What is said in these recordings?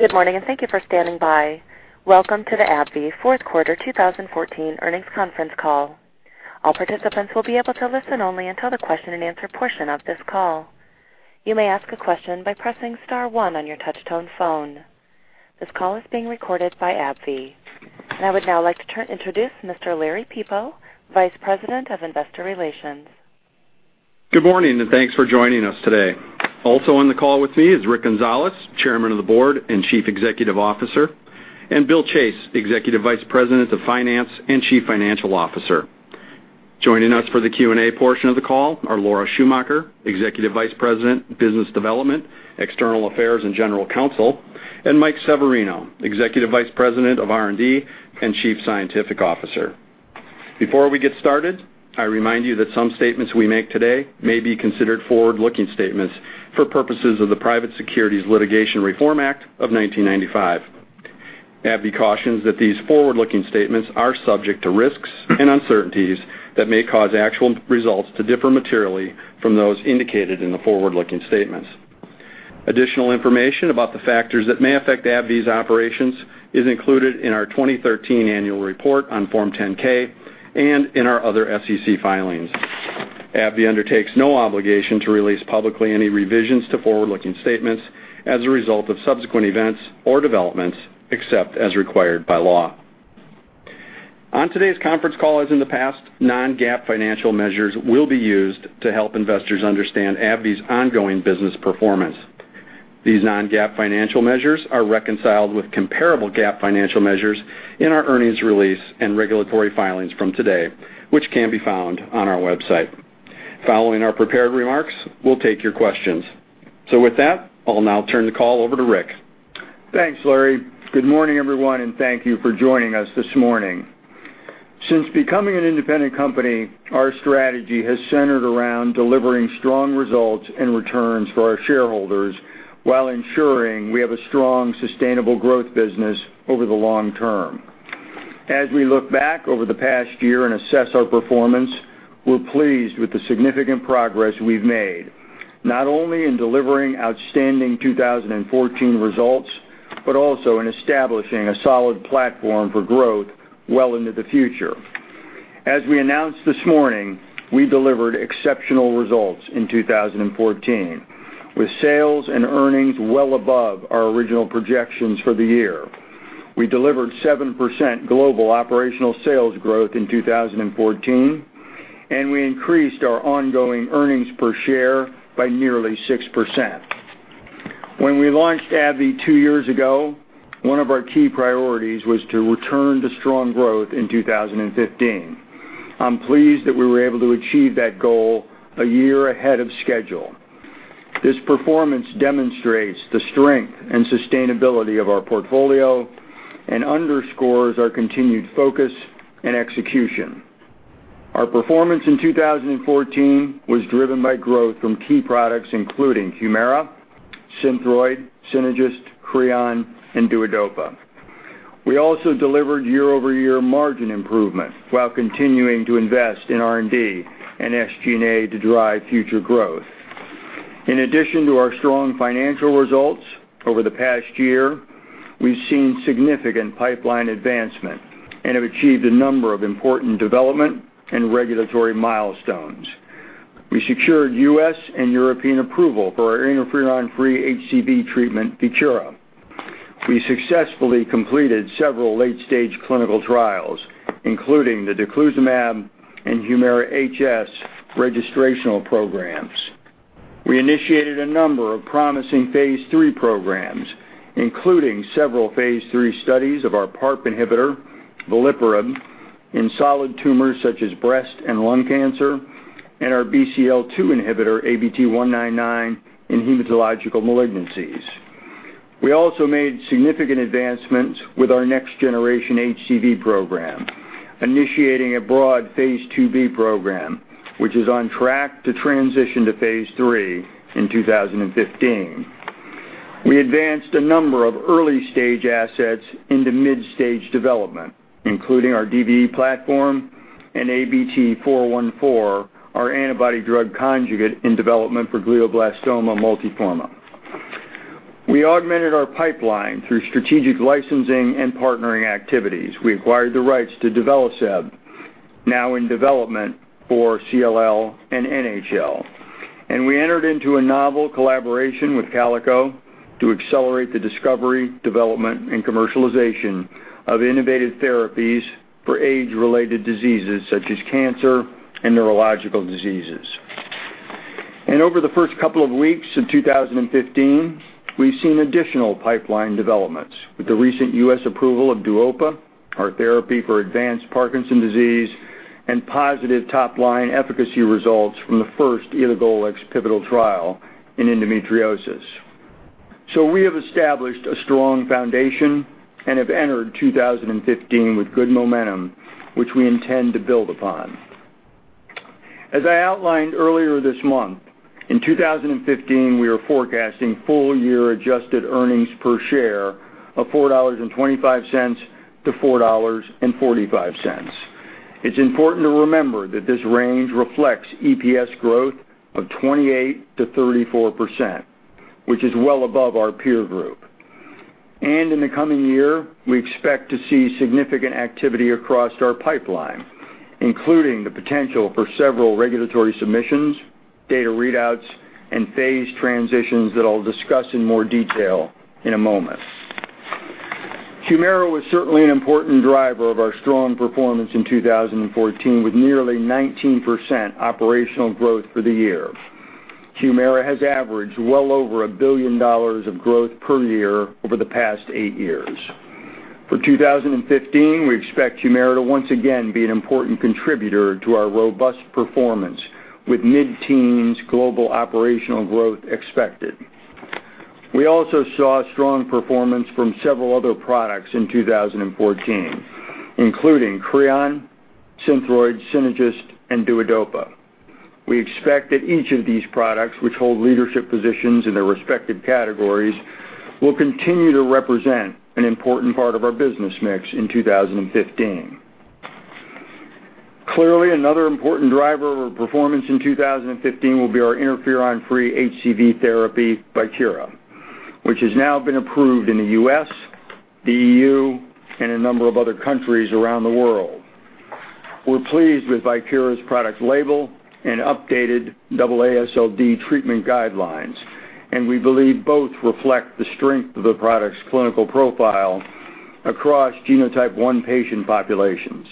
Good morning, and thank you for standing by. Welcome to the AbbVie Fourth Quarter 2014 Earnings Conference Call. All participants will be able to listen only until the question and answer portion of this call. You may ask a question by pressing star one on your touch-tone phone. This call is being recorded by AbbVie. I would now like to introduce Mr. Larry Peepo, Vice President of Investor Relations. Good morning, and thanks for joining us today. Also on the call with me is Rick Gonzalez, Chairman of the Board and Chief Executive Officer, and Bill Chase, Executive Vice President of Finance and Chief Financial Officer. Joining us for the Q&A portion of the call are Laura Schumacher, Executive Vice President, Business Development, External Affairs, and General Counsel, and Mike Severino, Executive Vice President of R&D and Chief Scientific Officer. Before we get started, I remind you that some statements we make today may be considered forward-looking statements for purposes of the Private Securities Litigation Reform Act of 1995. AbbVie cautions that these forward-looking statements are subject to risks and uncertainties that may cause actual results to differ materially from those indicated in the forward-looking statements. Additional information about the factors that may affect AbbVie's operations is included in our 2013 annual report on Form 10-K and in our other SEC filings. AbbVie undertakes no obligation to release publicly any revisions to forward-looking statements as a result of subsequent events or developments, except as required by law. On today's conference call, as in the past, non-GAAP financial measures will be used to help investors understand AbbVie's ongoing business performance. These non-GAAP financial measures are reconciled with comparable GAAP financial measures in our earnings release and regulatory filings from today, which can be found on our website. Following our prepared remarks, we'll take your questions. With that, I'll now turn the call over to Rick. Thanks, Larry. Good morning, everyone, and thank you for joining us this morning. Since becoming an independent company, our strategy has centered around delivering strong results and returns for our shareholders while ensuring we have a strong, sustainable growth business over the long term. As we look back over the past year and assess our performance, we're pleased with the significant progress we've made, not only in delivering outstanding 2014 results, but also in establishing a solid platform for growth well into the future. As we announced this morning, we delivered exceptional results in 2014, with sales and earnings well above our original projections for the year. We delivered 7% global operational sales growth in 2014, and we increased our ongoing earnings per share by nearly 6%. When we launched AbbVie two years ago, one of our key priorities was to return to strong growth in 2015. I'm pleased that we were able to achieve that goal a year ahead of schedule. This performance demonstrates the strength and sustainability of our portfolio and underscores our continued focus and execution. Our performance in 2014 was driven by growth from key products including HUMIRA, SYNTHROID, SYNAGIS, CREON, and DUODOPA. We also delivered year-over-year margin improvement while continuing to invest in R&D and SG&A to drive future growth. In addition to our strong financial results over the past year, we've seen significant pipeline advancement and have achieved a number of important development and regulatory milestones. We secured U.S. and European approval for our interferon-free HCV treatment, VIEKIRA. We successfully completed several late-stage clinical trials, including the daclizumab and HUMIRA HS registrational programs. We initiated a number of promising phase III programs, including several phase III studies of our PARP inhibitor, veliparib, in solid tumors such as breast and lung cancer, and our BCL-2 inhibitor, ABT-199, in hematological malignancies. We also made significant advancements with our next-generation HCV program, initiating a broad phase II-B program, which is on track to transition to phase III in 2015. We advanced a number of early-stage assets into mid-stage development, including our DVE platform and ABT-414, our antibody drug conjugate in development for glioblastoma multiforme. We augmented our pipeline through strategic licensing and partnering activities. We acquired the rights to duvelisib, now in development for CLL and NHL. We entered into a novel collaboration with Calico to accelerate the discovery, development, and commercialization of innovative therapies for age-related diseases such as cancer and neurological diseases. Over the first couple of weeks in 2015, we've seen additional pipeline developments with the recent U.S. approval of DUOPA, our therapy for advanced Parkinson's disease, and positive top-line efficacy results from the first elagolix pivotal trial in endometriosis. So we have established a strong foundation and have entered 2015 with good momentum, which we intend to build upon. As I outlined earlier this month, in 2015, we are forecasting full-year adjusted earnings per share of $4.25-$4.45. It's important to remember that this range reflects EPS growth of 28%-34%, which is well above our peer group. In the coming year, we expect to see significant activity across our pipeline, including the potential for several regulatory submissions, data readouts, and phase transitions that I'll discuss in more detail in a moment. HUMIRA was certainly an important driver of our strong performance in 2014, with nearly 19% operational growth for the year. HUMIRA has averaged well over a billion dollars of growth per year over the past eight years. For 2015, we expect HUMIRA to once again be an important contributor to our robust performance, with mid-teens global operational growth expected. We also saw strong performance from several other products in 2014, including CREON, SYNTHROID, SYNAGIS, and DUODOPA. We expect that each of these products, which hold leadership positions in their respective categories, will continue to represent an important part of our business mix in 2015. Clearly, another important driver of our performance in 2015 will be our interferon-free HCV therapy, VIEKIRA, which has now been approved in the U.S., the EU, and a number of other countries around the world. We're pleased with VIEKIRA's product label and updated AASLD treatment guidelines. We believe both reflect the strength of the product's clinical profile across genotype 1 patient populations.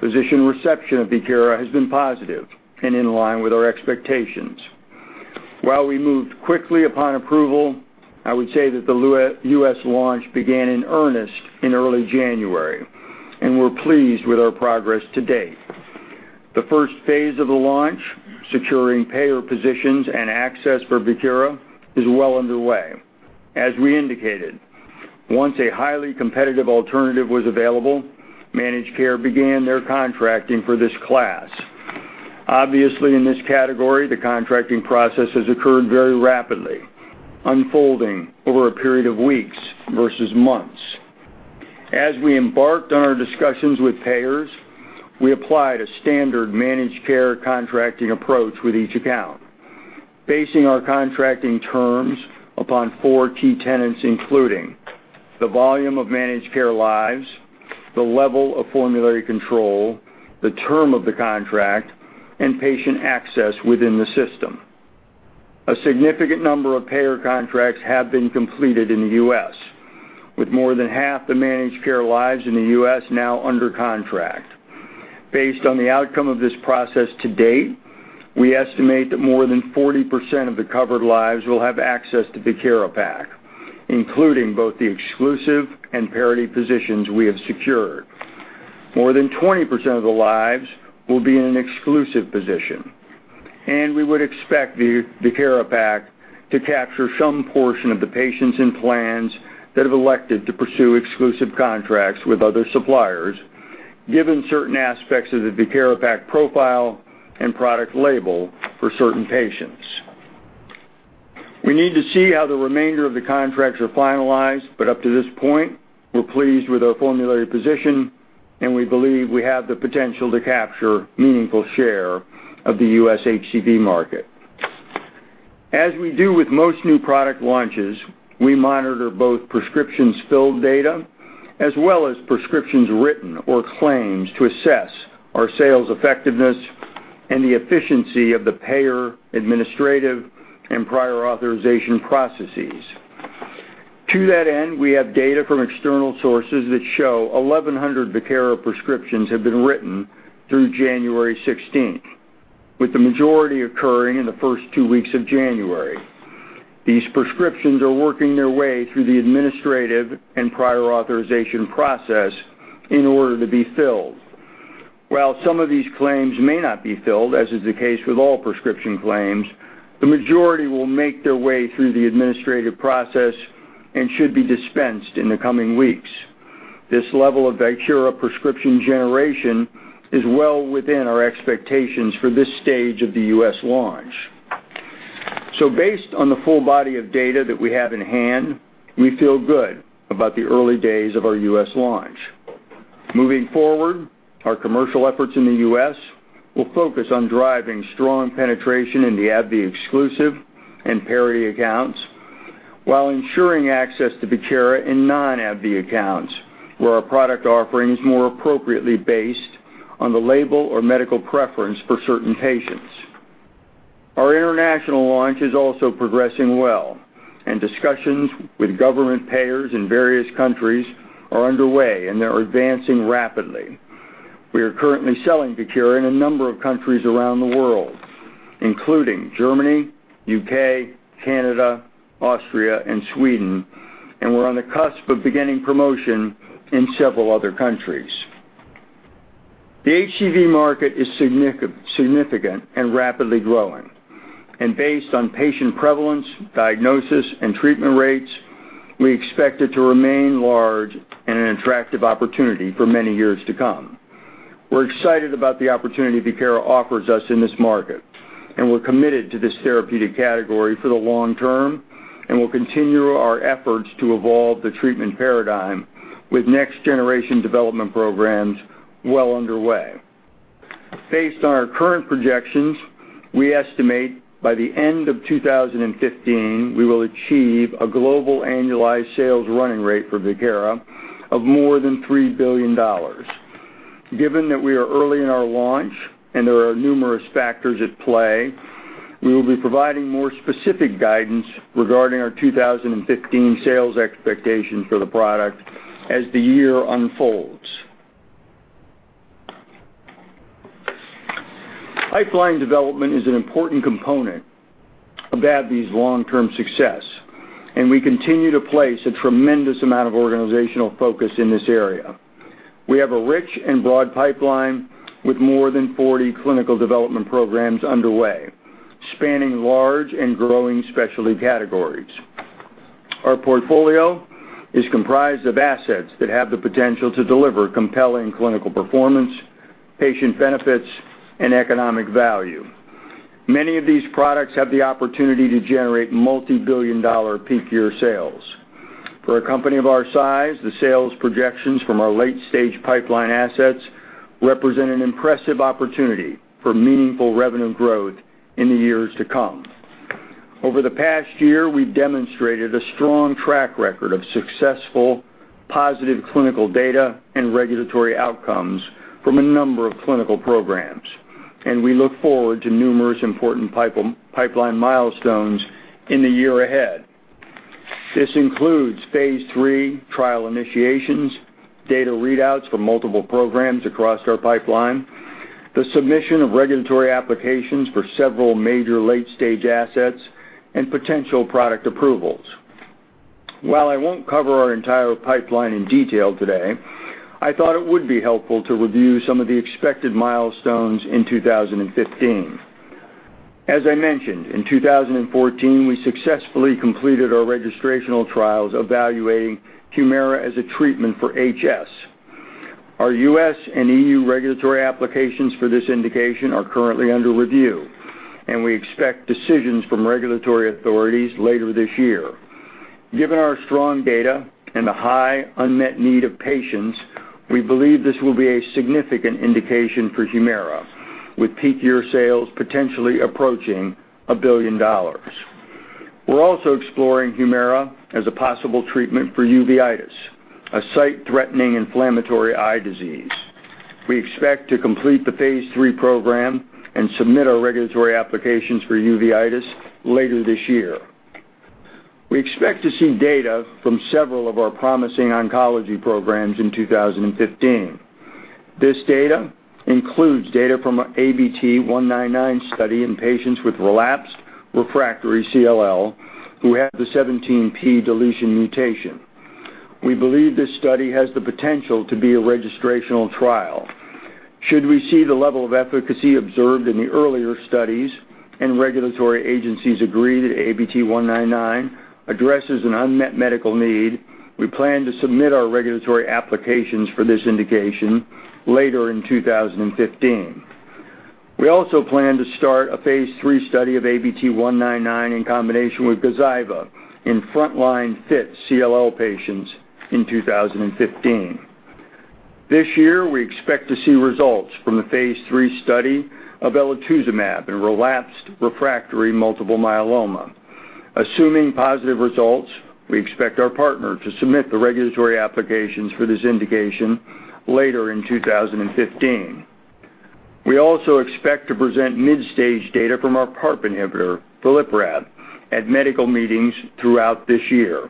Physician reception of VIEKIRA has been positive and in line with our expectations. While we moved quickly upon approval, I would say that the U.S. launch began in earnest in early January. We're pleased with our progress to date. The first phase of the launch, securing payer positions and access for VIEKIRA, is well underway. As we indicated, once a highly competitive alternative was available, managed care began their contracting for this class. Obviously, in this category, the contracting process has occurred very rapidly, unfolding over a period of weeks versus months. As we embarked on our discussions with payers, we applied a standard managed care contracting approach with each account, basing our contracting terms upon four key tenets, including the volume of managed care lives, the level of formulary control, the term of the contract, and patient access within the system. A significant number of payer contracts have been completed in the U.S., with more than half the managed care lives in the U.S. now under contract. Based on the outcome of this process to date, we estimate that more than 40% of the covered lives will have access to VIEKIRA PAK, including both the exclusive and parity positions we have secured. More than 20% of the lives will be in an exclusive position. We would expect the VIEKIRA PAK to capture some portion of the patients and plans that have elected to pursue exclusive contracts with other suppliers, given certain aspects of the VIEKIRA PAK profile and product label for certain patients. We need to see how the remainder of the contracts are finalized. Up to this point, we're pleased with our formulary position. We believe we have the potential to capture meaningful share of the U.S. HCV market. As we do with most new product launches, we monitor both prescriptions filled data, as well as prescriptions written or claims to assess our sales effectiveness and the efficiency of the payer, administrative, and prior authorization processes. To that end, we have data from external sources that show 1,100 VIEKIRA prescriptions have been written through January 16th, with the majority occurring in the first two weeks of January. These prescriptions are working their way through the administrative and prior authorization process in order to be filled. While some of these claims may not be filled, as is the case with all prescription claims, the majority will make their way through the administrative process and should be dispensed in the coming weeks. This level of VIEKIRA prescription generation is well within our expectations for this stage of the U.S. launch. Based on the full body of data that we have in hand, we feel good about the early days of our U.S. launch. Moving forward, our commercial efforts in the U.S. will focus on driving strong penetration in the AbbVie exclusive and parity accounts, while ensuring access to VIEKIRA in non-AbbVie accounts, where our product offering is more appropriately based on the label or medical preference for certain patients. Our international launch is also progressing well, and discussions with government payers in various countries are underway, and they're advancing rapidly. We are currently selling VIEKIRA in a number of countries around the world, including Germany, the U.K., Canada, Austria, and Sweden, and we're on the cusp of beginning promotion in several other countries. The HCV market is significant and rapidly growing. Based on patient prevalence, diagnosis, and treatment rates, we expect it to remain large and an attractive opportunity for many years to come. We're excited about the opportunity VIEKIRA offers us in this market. We're committed to this therapeutic category for the long term, and we'll continue our efforts to evolve the treatment paradigm with next-generation development programs well underway. Based on our current projections, we estimate by the end of 2015, we will achieve a global annualized sales running rate for VIEKIRA of more than $3 billion. Given that we are early in our launch and there are numerous factors at play, we will be providing more specific guidance regarding our 2015 sales expectations for the product as the year unfolds. Pipeline development is an important component of AbbVie's long-term success, and we continue to place a tremendous amount of organizational focus in this area. We have a rich and broad pipeline with more than 40 clinical development programs underway, spanning large and growing specialty categories. Our portfolio is comprised of assets that have the potential to deliver compelling clinical performance, patient benefits, and economic value. Many of these products have the opportunity to generate multibillion-dollar peak year sales. For a company of our size, the sales projections from our late-stage pipeline assets represent an impressive opportunity for meaningful revenue growth in the years to come. Over the past year, we've demonstrated a strong track record of successful positive clinical data and regulatory outcomes from a number of clinical programs, and we look forward to numerous important pipeline milestones in the year ahead. This includes phase III trial initiations, data readouts from multiple programs across our pipeline, the submission of regulatory applications for several major late-stage assets, and potential product approvals. While I won't cover our entire pipeline in detail today, I thought it would be helpful to review some of the expected milestones in 2015. As I mentioned, in 2014, we successfully completed our registrational trials evaluating HUMIRA as a treatment for HS. Our U.S. and EU regulatory applications for this indication are currently under review, and we expect decisions from regulatory authorities later this year. Given our strong data and the high unmet need of patients, we believe this will be a significant indication for HUMIRA, with peak year sales potentially approaching $1 billion. We're also exploring HUMIRA as a possible treatment for uveitis, a sight-threatening inflammatory eye disease. We expect to complete the phase III program and submit our regulatory applications for uveitis later this year. We expect to see data from several of our promising oncology programs in 2015. This data includes data from our ABT-199 study in patients with relapsed refractory CLL who have the 17p deletion mutation. We believe this study has the potential to be a registrational trial. Should we see the level of efficacy observed in the earlier studies and regulatory agencies agree that ABT-199 addresses an unmet medical need, we plan to submit our regulatory applications for this indication later in 2015. We also plan to start a phase III study of ABT-199 in combination with GAZYVA in frontline fit CLL patients in 2015. This year, we expect to see results from the phase III study of elotuzumab in relapsed refractory multiple myeloma. Assuming positive results, we expect our partner to submit the regulatory applications for this indication later in 2015. We also expect to present mid-stage data from our PARP inhibitor, veliparib, at medical meetings throughout this year.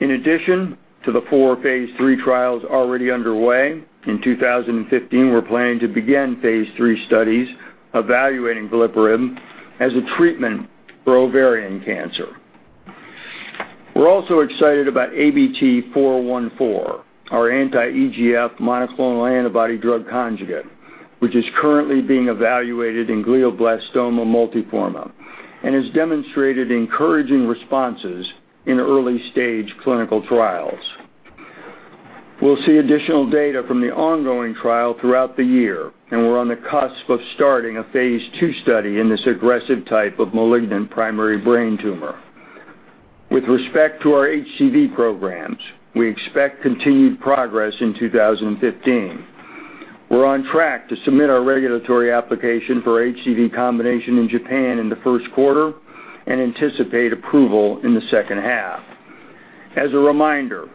In addition to the four phase III trials already underway, in 2015, we're planning to begin phase III studies evaluating veliparib as a treatment for ovarian cancer. We're also excited about ABT-414, our anti-EGF monoclonal antibody drug conjugate, which is currently being evaluated in glioblastoma multiforme and has demonstrated encouraging responses in early-stage clinical trials. We'll see additional data from the ongoing trial throughout the year, and we're on the cusp of starting a phase II study in this aggressive type of malignant primary brain tumor. With respect to our HCV programs, we expect continued progress in 2015. We're on track to submit our regulatory application for HCV combination in Japan in the first quarter and anticipate approval in the second half. As a reminder,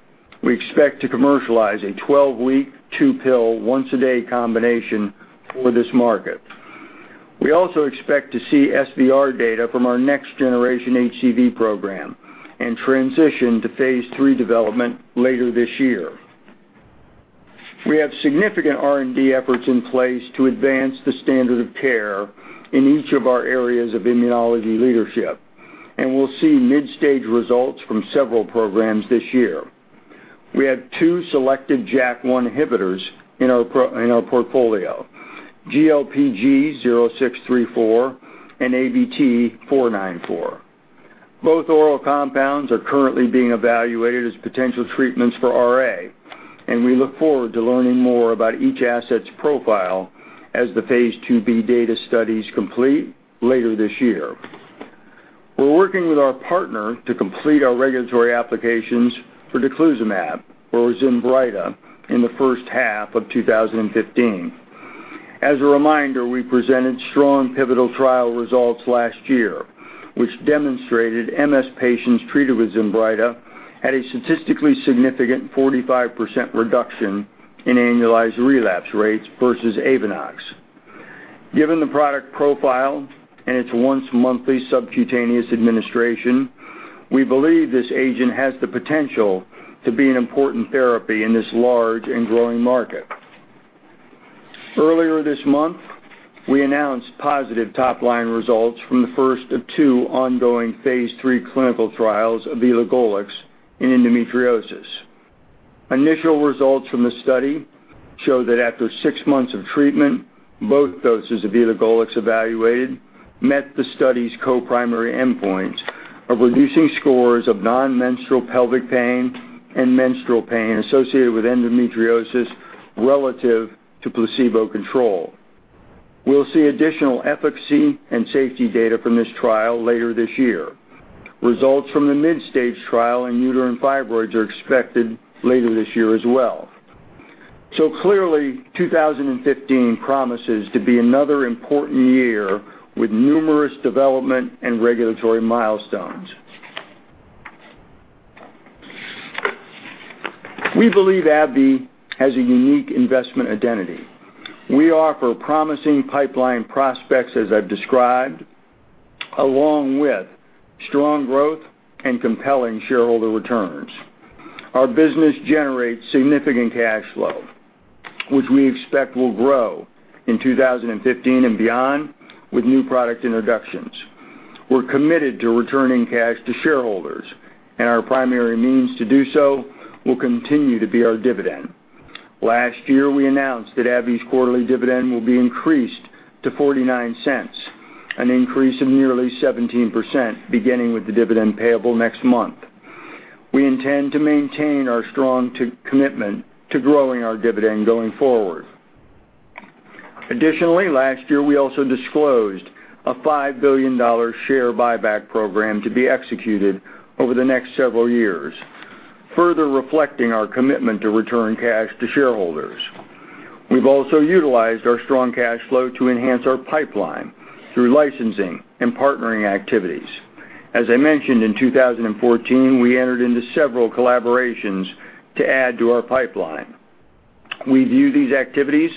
we expect to commercialize a 12-week, two-pill, once-a-day combination for this market. We also expect to see SVR data from our next-generation HCV program and transition to phase III development later this year. We have significant R&D efforts in place to advance the standard of care in each of our areas of immunology leadership, and we'll see mid-stage results from several programs this year. We have two selected JAK1 inhibitors in our portfolio, GLPG0634 and ABT-494. Both oral compounds are currently being evaluated as potential treatments for RA, and we look forward to learning more about each asset's profile as the phase IIb data studies complete later this year. We're working with our partner to complete our regulatory applications for daclizumab or ZINBRYTA in the first half of 2015. As a reminder, we presented strong pivotal trial results last year, which demonstrated MS patients treated with ZINBRYTA had a statistically significant 45% reduction in annualized relapse rates versus AVONEX. Given the product profile and its once-monthly subcutaneous administration, we believe this agent has the potential to be an important therapy in this large and growing market. Earlier this month, we announced positive top-line results from the first of two ongoing phase III clinical trials of elagolix in endometriosis. Initial results from this study show that after six months of treatment, both doses of elagolix evaluated met the study's co-primary endpoints of reducing scores of non-menstrual pelvic pain and menstrual pain associated with endometriosis relative to placebo control. We'll see additional efficacy and safety data from this trial later this year. Results from the mid-stage trial in uterine fibroids are expected later this year as well. Clearly, 2015 promises to be another important year with numerous development and regulatory milestones. We believe AbbVie has a unique investment identity. We offer promising pipeline prospects, as I've described, along with strong growth and compelling shareholder returns. Our business generates significant cash flow, which we expect will grow in 2015 and beyond with new product introductions. We're committed to returning cash to shareholders, and our primary means to do so will continue to be our dividend. Last year, we announced that AbbVie's quarterly dividend will be increased to $0.49, an increase of nearly 17%, beginning with the dividend payable next month. We intend to maintain our strong commitment to growing our dividend going forward. Additionally, last year, we also disclosed a $5 billion share buyback program to be executed over the next several years, further reflecting our commitment to return cash to shareholders. We've also utilized our strong cash flow to enhance our pipeline through licensing and partnering activities. As I mentioned, in 2014, we entered into several collaborations to add to our pipeline. We view these activities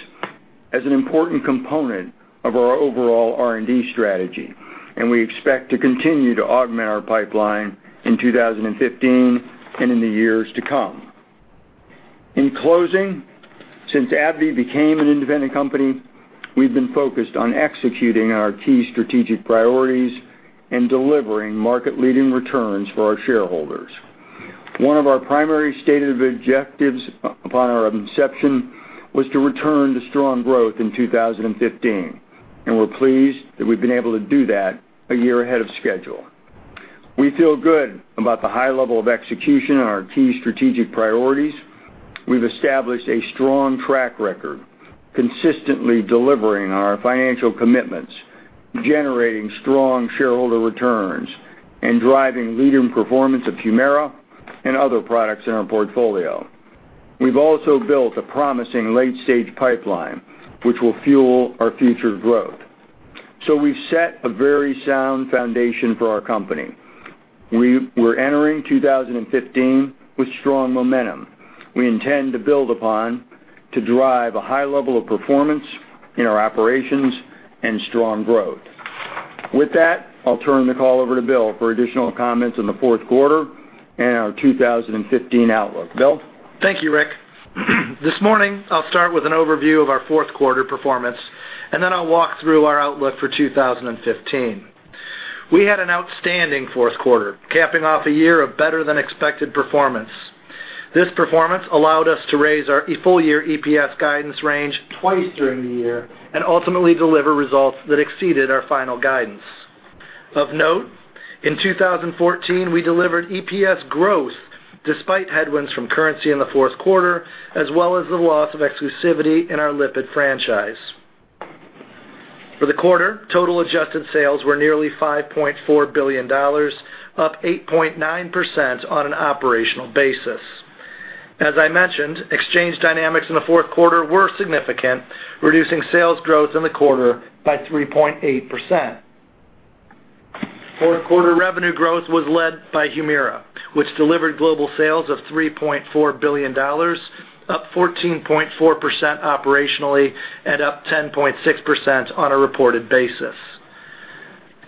as an important component of our overall R&D strategy. We expect to continue to augment our pipeline in 2015 and in the years to come. In closing, since AbbVie became an independent company, we've been focused on executing our key strategic priorities and delivering market-leading returns for our shareholders. One of our primary stated objectives upon our inception was to return to strong growth in 2015, and we're pleased that we've been able to do that a year ahead of schedule. We feel good about the high level of execution on our key strategic priorities. We've established a strong track record, consistently delivering on our financial commitments, generating strong shareholder returns, and driving leading performance of HUMIRA and other products in our portfolio. We've also built a promising late-stage pipeline, which will fuel our future growth. We've set a very sound foundation for our company. We're entering 2015 with strong momentum we intend to build upon to drive a high level of performance in our operations and strong growth. With that, I'll turn the call over to Bill for additional comments on the fourth quarter and our 2015 outlook. Bill? Thank you, Rick. This morning, I'll start with an overview of our fourth quarter performance, and then I'll walk through our outlook for 2015. We had an outstanding fourth quarter, capping off a year of better-than-expected performance. This performance allowed us to raise our full-year EPS guidance range twice during the year and ultimately deliver results that exceeded our final guidance. Of note, in 2014, we delivered EPS growth despite headwinds from currency in the fourth quarter, as well as the loss of exclusivity in our lipid franchise. For the quarter, total adjusted sales were nearly $5.4 billion, up 8.9% on an operational basis. As I mentioned, exchange dynamics in the fourth quarter were significant, reducing sales growth in the quarter by 3.8%. Fourth quarter revenue growth was led by HUMIRA, which delivered global sales of $3.4 billion, up 14.4% operationally and up 10.6% on a reported basis.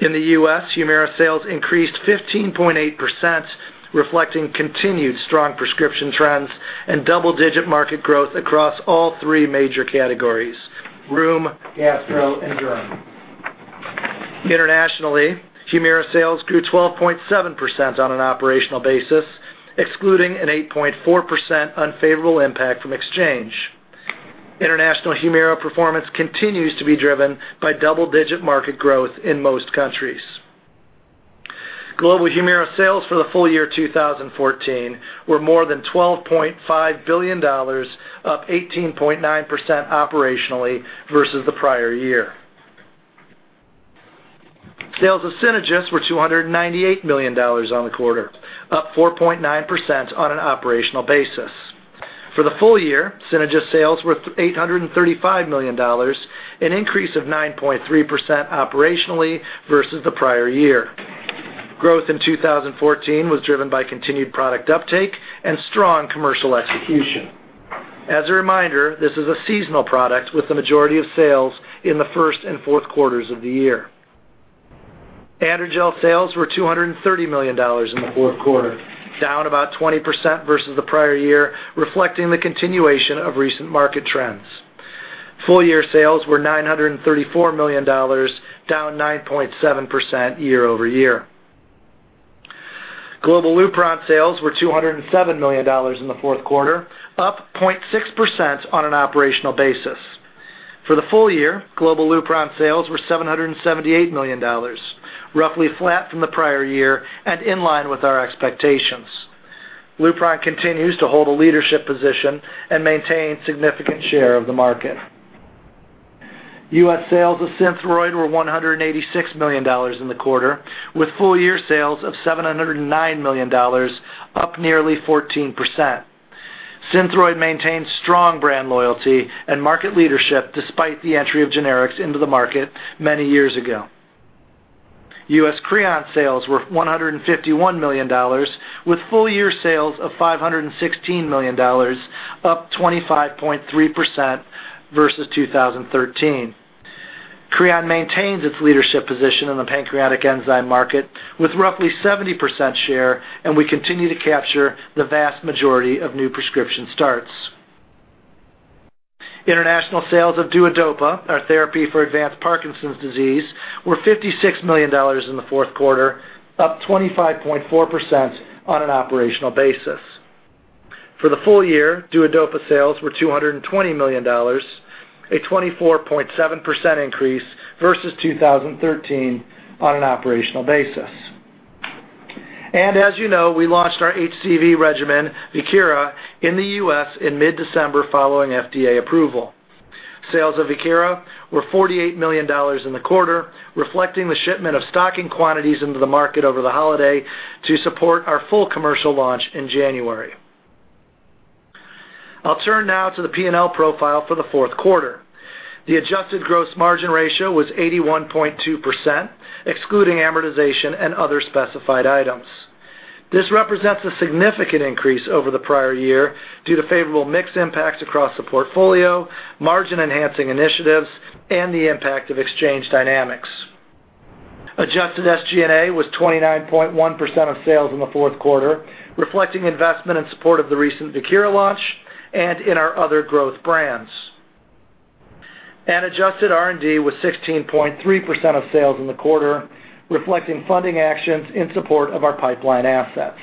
In the U.S., HUMIRA sales increased 15.8%, reflecting continued strong prescription trends and double-digit market growth across all three major categories: rheum, gastro, and derm. Internationally, HUMIRA sales grew 12.7% on an operational basis, excluding an 8.4% unfavorable impact from exchange. International HUMIRA performance continues to be driven by double-digit market growth in most countries. Global HUMIRA sales for the full year 2014 were more than $12.5 billion, up 18.9% operationally versus the prior year. Sales of SYNAGIS were $298 million on the quarter, up 4.9% on an operational basis. For the full year, SYNAGIS sales were $835 million, an increase of 9.3% operationally versus the prior year. Growth in 2014 was driven by continued product uptake and strong commercial execution. As a reminder, this is a seasonal product with the majority of sales in the first and fourth quarters of the year. AndroGel sales were $230 million in the fourth quarter, down about 20% versus the prior year, reflecting the continuation of recent market trends. Full-year sales were $934 million, down 9.7% year-over-year. Global LUPRON sales were $207 million in the fourth quarter, up 0.6% on an operational basis. For the full year, global LUPRON sales were $778 million, roughly flat from the prior year and in line with our expectations. LUPRON continues to hold a leadership position and maintain significant share of the market. U.S. sales of SYNTHROID were $186 million in the quarter, with full-year sales of $709 million, up nearly 14%. SYNTHROID maintains strong brand loyalty and market leadership, despite the entry of generics into the market many years ago. U.S. CREON sales were $151 million, with full-year sales of $516 million, up 25.3% versus 2013. CREON maintains its leadership position in the pancreatic enzyme market with roughly 70% share, we continue to capture the vast majority of new prescription starts. International sales of DUODOPA, our therapy for advanced Parkinson's disease, were $56 million in the fourth quarter, up 25.4% on an operational basis. For the full year, DUODOPA sales were $220 million, a 24.7% increase versus 2013 on an operational basis. As you know, we launched our HCV regimen, VIEKIRA, in the U.S. in mid-December following FDA approval. Sales of VIEKIRA were $48 million in the quarter, reflecting the shipment of stocking quantities into the market over the holiday to support our full commercial launch in January. I'll turn now to the P&L profile for the fourth quarter. The adjusted gross margin ratio was 81.2%, excluding amortization and other specified items. This represents a significant increase over the prior year due to favorable mix impacts across the portfolio, margin enhancing initiatives, and the impact of exchange dynamics. Adjusted SG&A was 29.1% of sales in the fourth quarter, reflecting investment in support of the recent VIEKIRA launch and in our other growth brands. Adjusted R&D was 16.3% of sales in the quarter, reflecting funding actions in support of our pipeline assets.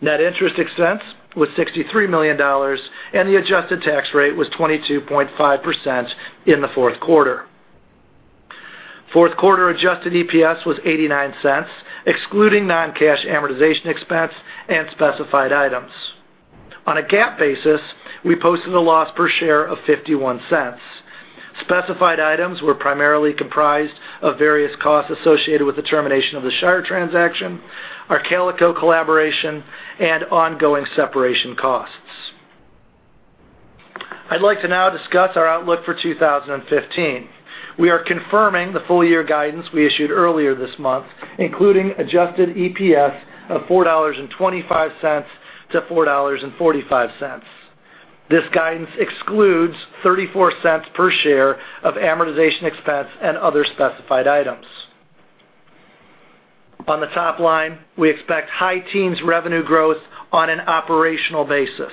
Net interest expense was $63 million, and the adjusted tax rate was 22.5% in the fourth quarter. Fourth quarter adjusted EPS was $0.89, excluding non-cash amortization expense and specified items. On a GAAP basis, we posted a loss per share of $0.51. Specified items were primarily comprised of various costs associated with the termination of the Shire transaction, our Calico collaboration, and ongoing separation costs. I'd like to now discuss our outlook for 2015. We are confirming the full year guidance we issued earlier this month, including adjusted EPS of $4.25 to $4.45. This guidance excludes $0.34 per share of amortization expense and other specified items. On the top line, we expect high teens revenue growth on an operational basis.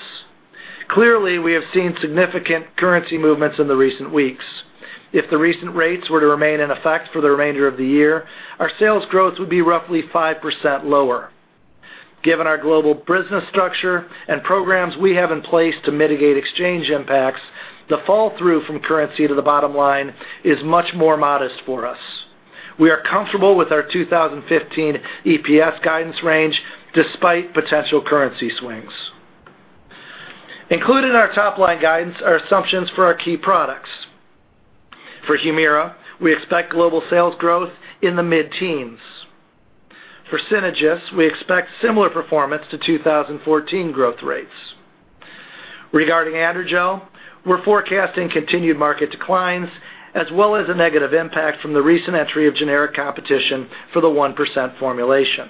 Clearly, we have seen significant currency movements in the recent weeks. If the recent rates were to remain in effect for the remainder of the year, our sales growth would be roughly 5% lower. Given our global business structure and programs we have in place to mitigate exchange impacts, the fall through from currency to the bottom line is much more modest for us. We are comfortable with our 2015 EPS guidance range despite potential currency swings. Included in our top-line guidance are assumptions for our key products. For HUMIRA, we expect global sales growth in the mid-teens. For SYNAGIS, we expect similar performance to 2014 growth rates. Regarding AndroGel, we're forecasting continued market declines, as well as a negative impact from the recent entry of generic competition for the 1% formulation.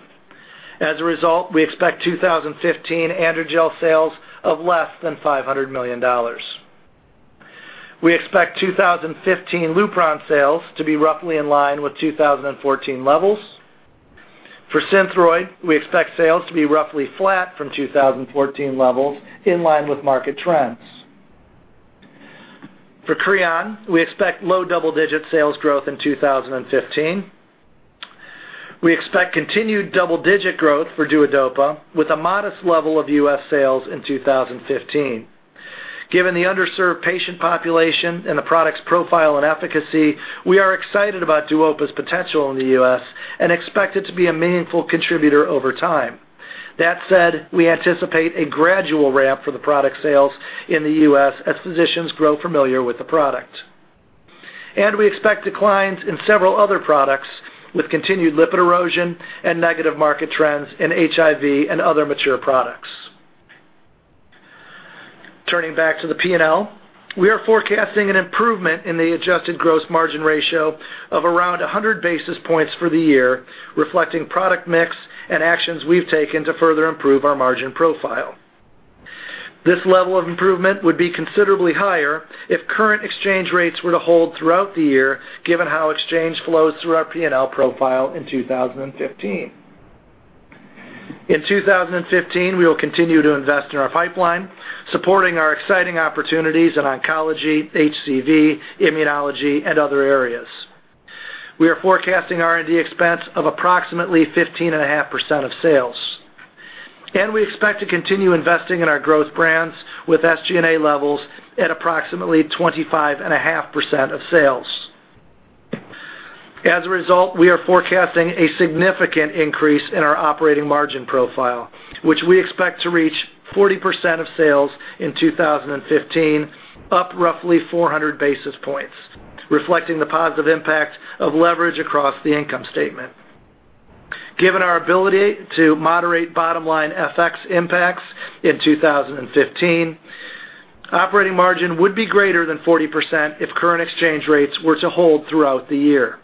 As a result, we expect 2015 AndroGel sales of less than $500 million. We expect 2015 LUPRON sales to be roughly in line with 2014 levels. For SYNTHROID, we expect sales to be roughly flat from 2014 levels in line with market trends. For CREON, we expect low double-digit sales growth in 2015. We expect continued double-digit growth for DUODOPA, with a modest level of U.S. sales in 2015. Given the underserved patient population and the product's profile and efficacy, we are excited about DUODOPA's potential in the U.S. and expect it to be a meaningful contributor over time. That said, we anticipate a gradual ramp for the product sales in the U.S. as physicians grow familiar with the product. We expect declines in several other products with continued lipid erosion and negative market trends in HIV and other mature products. Turning back to the P&L, we are forecasting an improvement in the adjusted gross margin ratio of around 100 basis points for the year, reflecting product mix and actions we've taken to further improve our margin profile. This level of improvement would be considerably higher if current exchange rates were to hold throughout the year, given how exchange flows through our P&L profile in 2015. In 2015, we will continue to invest in our pipeline, supporting our exciting opportunities in oncology, HCV, immunology, and other areas. We are forecasting R&D expense of approximately 15.5% of sales. We expect to continue investing in our growth brands with SG&A levels at approximately 25.5% of sales. As a result, we are forecasting a significant increase in our operating margin profile, which we expect to reach 40% of sales in 2015, up roughly 400 basis points, reflecting the positive impact of leverage across the income statement. Given our ability to moderate bottom-line FX impacts in 2015, operating margin would be greater than 40% if current exchange rates were to hold throughout the year.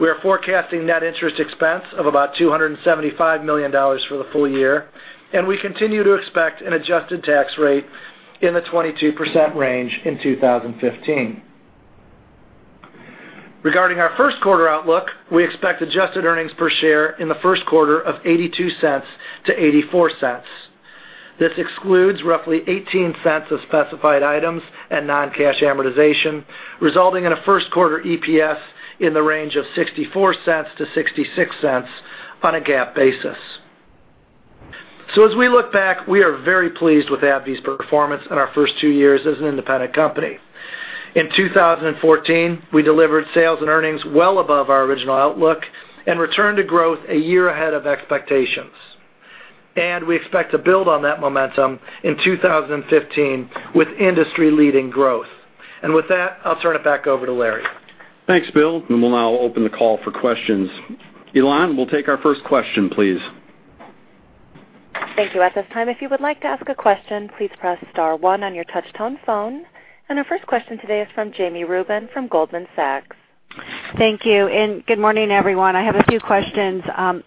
We are forecasting net interest expense of about $275 million for the full year, and we continue to expect an adjusted tax rate in the 22% range in 2015. Regarding our first quarter outlook, we expect adjusted earnings per share in the first quarter of $0.82 to $0.84. This excludes roughly $0.18 of specified items and non-cash amortization, resulting in a first quarter EPS in the range of $0.64-$0.66 on a GAAP basis. As we look back, we are very pleased with AbbVie's performance in our first two years as an independent company. In 2014, we delivered sales and earnings well above our original outlook and returned to growth a year ahead of expectations. We expect to build on that momentum in 2015 with industry-leading growth. With that, I'll turn it back over to Larry. Thanks, Bill. We will now open the call for questions. Elan, we'll take our first question, please. Thank you. At this time, if you would like to ask a question, please press star one on your touch-tone phone. Our first question today is from Jami Rubin from Goldman Sachs. Thank you. Good morning, everyone. I have a few questions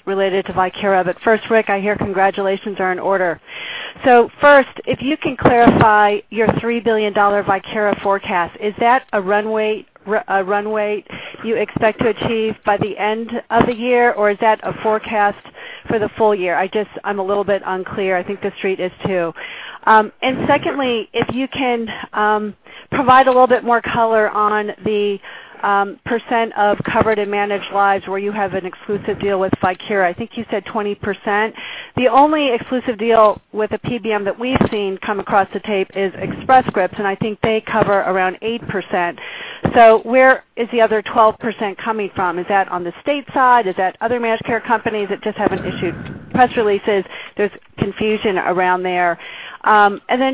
related to VIEKIRA, first, Rick, I hear congratulations are in order. First, if you can clarify your $3 billion VIEKIRA forecast, is that a run rate you expect to achieve by the end of the year, or is that a forecast for the full year? I'm a little bit unclear. I think the Street is too. Secondly, if you can provide a little bit more color on the % of covered and managed lives where you have an exclusive deal with VIEKIRA. I think you said 20%. The only exclusive deal with a PBM that we've seen come across the tape is Express Scripts, and I think they cover around 8%. Where is the other 12% coming from? Is that on the state side? Is that other managed care companies that just haven't issued press releases? There's confusion around there.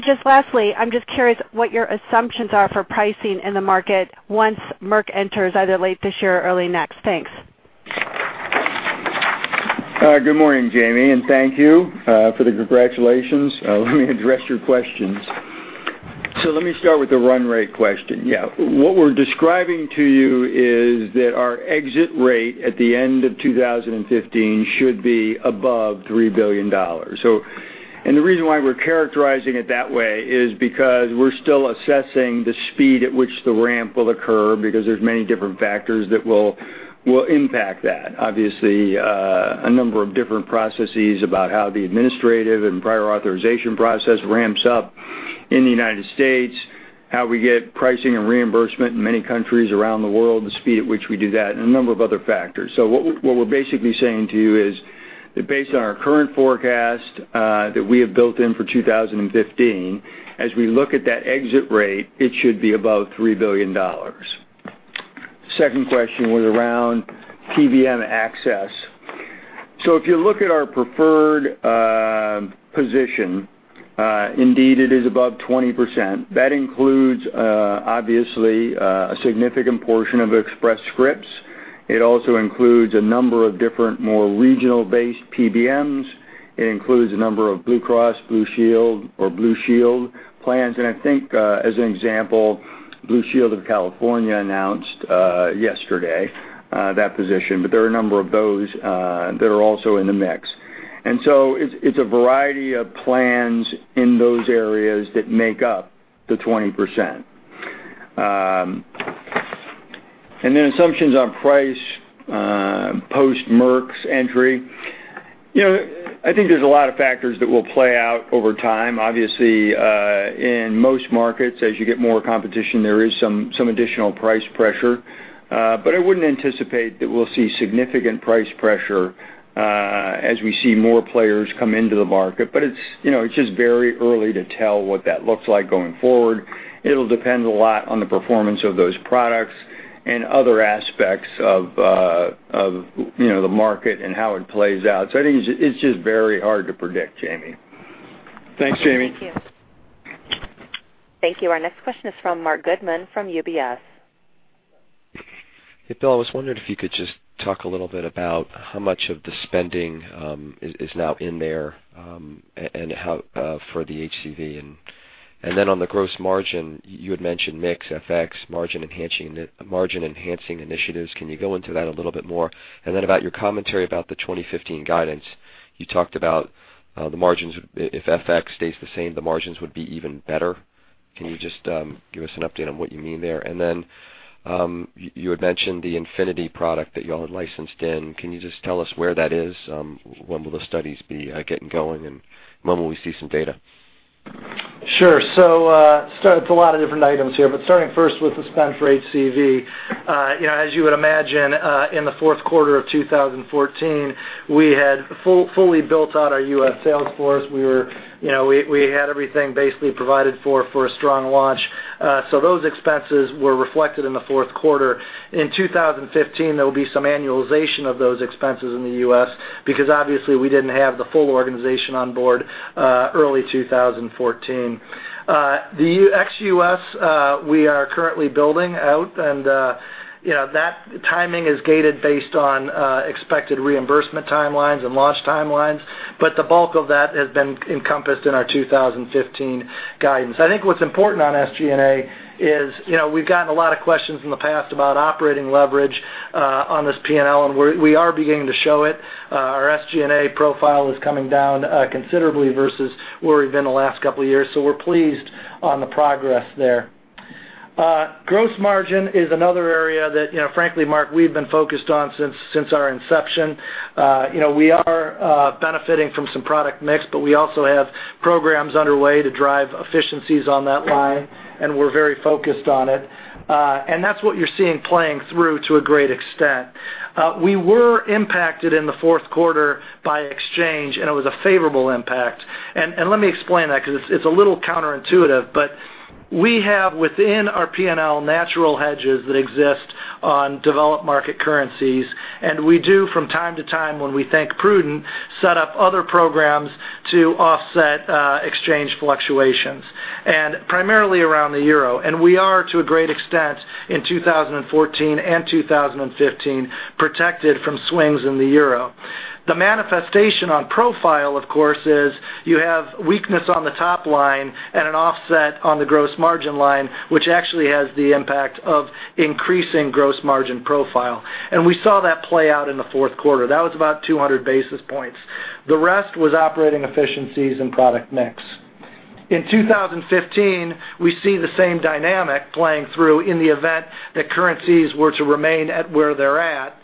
Just lastly, I'm just curious what your assumptions are for pricing in the market once Merck enters either late this year or early next. Thanks. Good morning, Jami, and thank you for the congratulations. Let me address your questions. Let me start with the run rate question. Yeah. What we're describing to you is that our exit rate at the end of 2015 should be above $3 billion. The reason why we're characterizing it that way is because we're still assessing the speed at which the ramp will occur, because there's many different factors that will impact that. Obviously, a number of different processes about how the administrative and prior authorization process ramps up in the U.S., how we get pricing and reimbursement in many countries around the world, the speed at which we do that, and a number of other factors. What we're basically saying to you is that based on our current forecast that we have built in for 2015, as we look at that exit rate, it should be above $3 billion. Second question was around PBM access. If you look at our preferred position, indeed it is above 20%. That includes, obviously, a significant portion of Express Scripts. It also includes a number of different, more regional-based PBMs. It includes a number of Blue Cross, Blue Shield or Blue Shield plans. I think as an example, Blue Shield of California announced yesterday that position, but there are a number of those that are also in the mix. It's a variety of plans in those areas that make up the 20%. Assumptions on price post Merck's entry. I think there's a lot of factors that will play out over time. Obviously, in most markets, as you get more competition, there is some additional price pressure. I wouldn't anticipate that we'll see significant price pressure as we see more players come into the market. It's just very early to tell what that looks like going forward. It'll depend a lot on the performance of those products and other aspects of the market and how it plays out. I think it's just very hard to predict, Jami. Thanks, Jami. Thank you. Thank you. Our next question is from Marc Goodman, from UBS. Hey, Bill, I was wondering if you could just talk a little bit about how much of the spending is now in there for the HCV. On the gross margin, you had mentioned mix, FX, margin-enhancing initiatives. Can you go into that a little bit more? About your commentary about the 2015 guidance, you talked about the margins, if FX stays the same, the margins would be even better. Can you just give us an update on what you mean there? You had mentioned the Infinity product that you all had licensed in. Can you just tell us where that is? When will the studies be getting going, and when will we see some data? Sure. It's a lot of different items here, but starting first with the spend for HCV. As you would imagine, in the fourth quarter of 2014, we had fully built out our U.S. sales force. We had everything basically provided for a strong launch. Those expenses were reflected in the fourth quarter. In 2015, there will be some annualization of those expenses in the U.S. because obviously we didn't have the full organization on board early 2014. The ex-U.S., we are currently building out and that timing is gated based on expected reimbursement timelines and launch timelines, but the bulk of that has been encompassed in our 2015 guidance. I think what's important on SG&A is we've gotten a lot of questions in the past about operating leverage on this P&L, and we are beginning to show it. Our SG&A profile is coming down considerably versus where we've been the last couple of years. We're pleased on the progress there. Gross margin is another area that, frankly, Marc, we've been focused on since our inception. We are benefiting from some product mix, but we also have programs underway to drive efficiencies on that line, and we're very focused on it. That's what you're seeing playing through to a great extent. We were impacted in the fourth quarter by exchange, and it was a favorable impact. Let me explain that because it's a little counterintuitive, but we have within our P&L natural hedges that exist on developed market currencies, and we do from time to time when we think prudent, set up other programs to offset exchange fluctuations, and primarily around the euro. We are to a great extent in 2014 and 2015, protected from swings in the euro. The manifestation on profile, of course, is you have weakness on the top line and an offset on the gross margin line, which actually has the impact of increasing gross margin profile. We saw that play out in the fourth quarter. That was about 200 basis points. The rest was operating efficiencies and product mix. In 2015, we see the same dynamic playing through in the event that currencies were to remain at where they're at.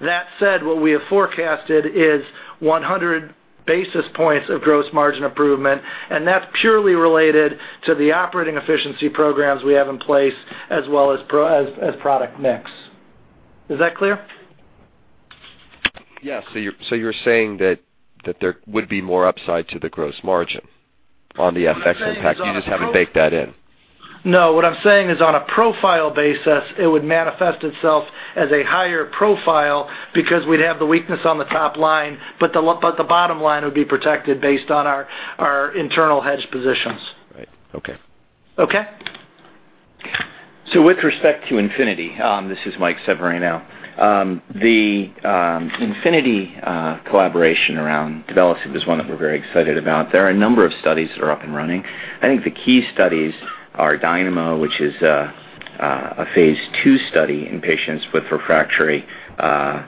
That said, what we have forecasted is 100 basis points of gross margin improvement, and that's purely related to the operating efficiency programs we have in place as well as product mix. Is that clear? Yes. You're saying that there would be more upside to the gross margin on the FX impact. You just haven't baked that in. No, what I'm saying is on a profile basis, it would manifest itself as a higher profile because we'd have the weakness on the top line, but the bottom line would be protected based on our internal hedge positions. Right. Okay. Okay? With respect to Infinity, this is Mike Severino. The Infinity collaboration around duvelisib is one that we're very excited about. There are a number of studies that are up and running. I think the key studies are DYNAMO, which is a phase II study in patients with refractory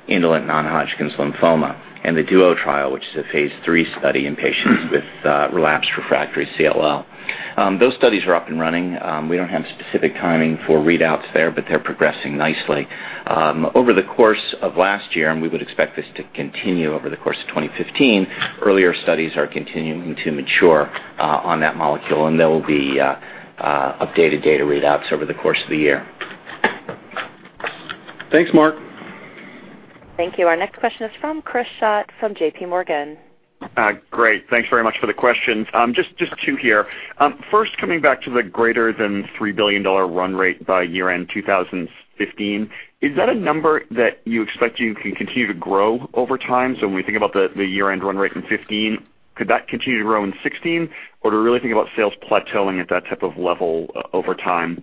indolent non-Hodgkin's lymphoma, and the DUO trial, which is a phase III study in patients with relapsed refractory CLL. Those studies are up and running. We don't have specific timing for readouts there, but they're progressing nicely. Over the course of last year, and we would expect this to continue over the course of 2015, earlier studies are continuing to mature on that molecule, and there will be updated data readouts over the course of the year. Thanks, Marc. Thank you. Our next question is from Chris Schott from J.P. Morgan. Thanks very much for the questions. Just two here. First, coming back to the greater than $3 billion run rate by year-end 2015, is that a number that you expect you can continue to grow over time? When we think about the year-end run rate in 2015, could that continue to grow in 2016? Do you really think about sales plateauing at that type of level over time?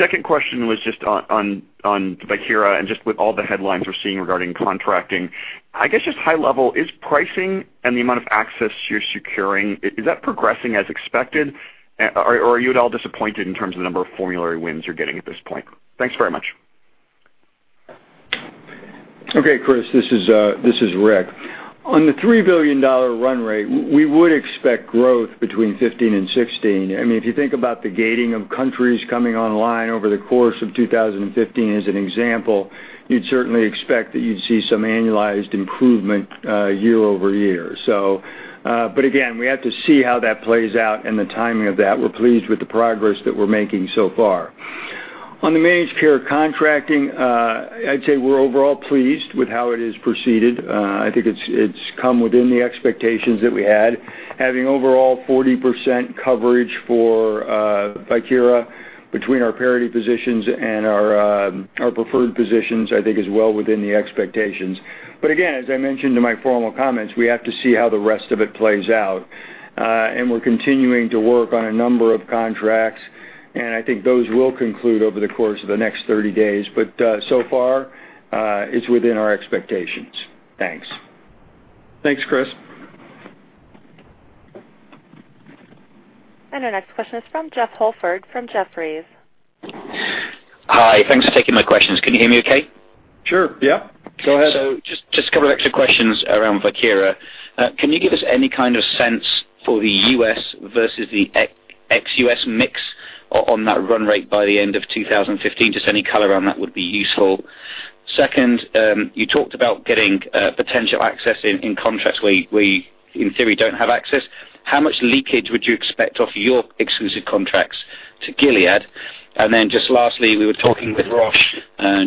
Second question was just on VIEKIRA and just with all the headlines we're seeing regarding contracting. I guess just high level, is pricing and the amount of access you're securing, is that progressing as expected? Are you at all disappointed in terms of the number of formulary wins you're getting at this point? Thanks very much. Okay, Chris, this is Rick. On the $3 billion rate, we would expect growth between 2015 and 2016. If you think about the gating of countries coming online over the course of 2015 as an example, you'd certainly expect that you'd see some annualized improvement year-over-year. Again, we have to see how that plays out and the timing of that. We're pleased with the progress that we're making so far. On the managed care contracting, I'd say we're overall pleased with how it has proceeded. I think it's come within the expectations that we had. Having overall 40% coverage for VIEKIRA between our parity positions and our preferred positions, I think is well within the expectations. Again, as I mentioned in my formal comments, we have to see how the rest of it plays out. We're continuing to work on a number of contracts, and I think those will conclude over the course of the next 30 days. So far, it's within our expectations. Thanks. Thanks, Chris. Our next question is from Jeffrey Holford from Jefferies. Hi. Thanks for taking my questions. Can you hear me okay? Sure. Yeah. Go ahead. Just a couple of extra questions around VIEKIRA. Can you give us any kind of sense for the U.S. versus the ex-U.S. mix on that run rate by the end of 2015? Just any color on that would be useful. Second, you talked about getting potential access in contracts where you, in theory, don't have access. How much leakage would you expect off your exclusive contracts to Gilead? Lastly, we were talking with Roche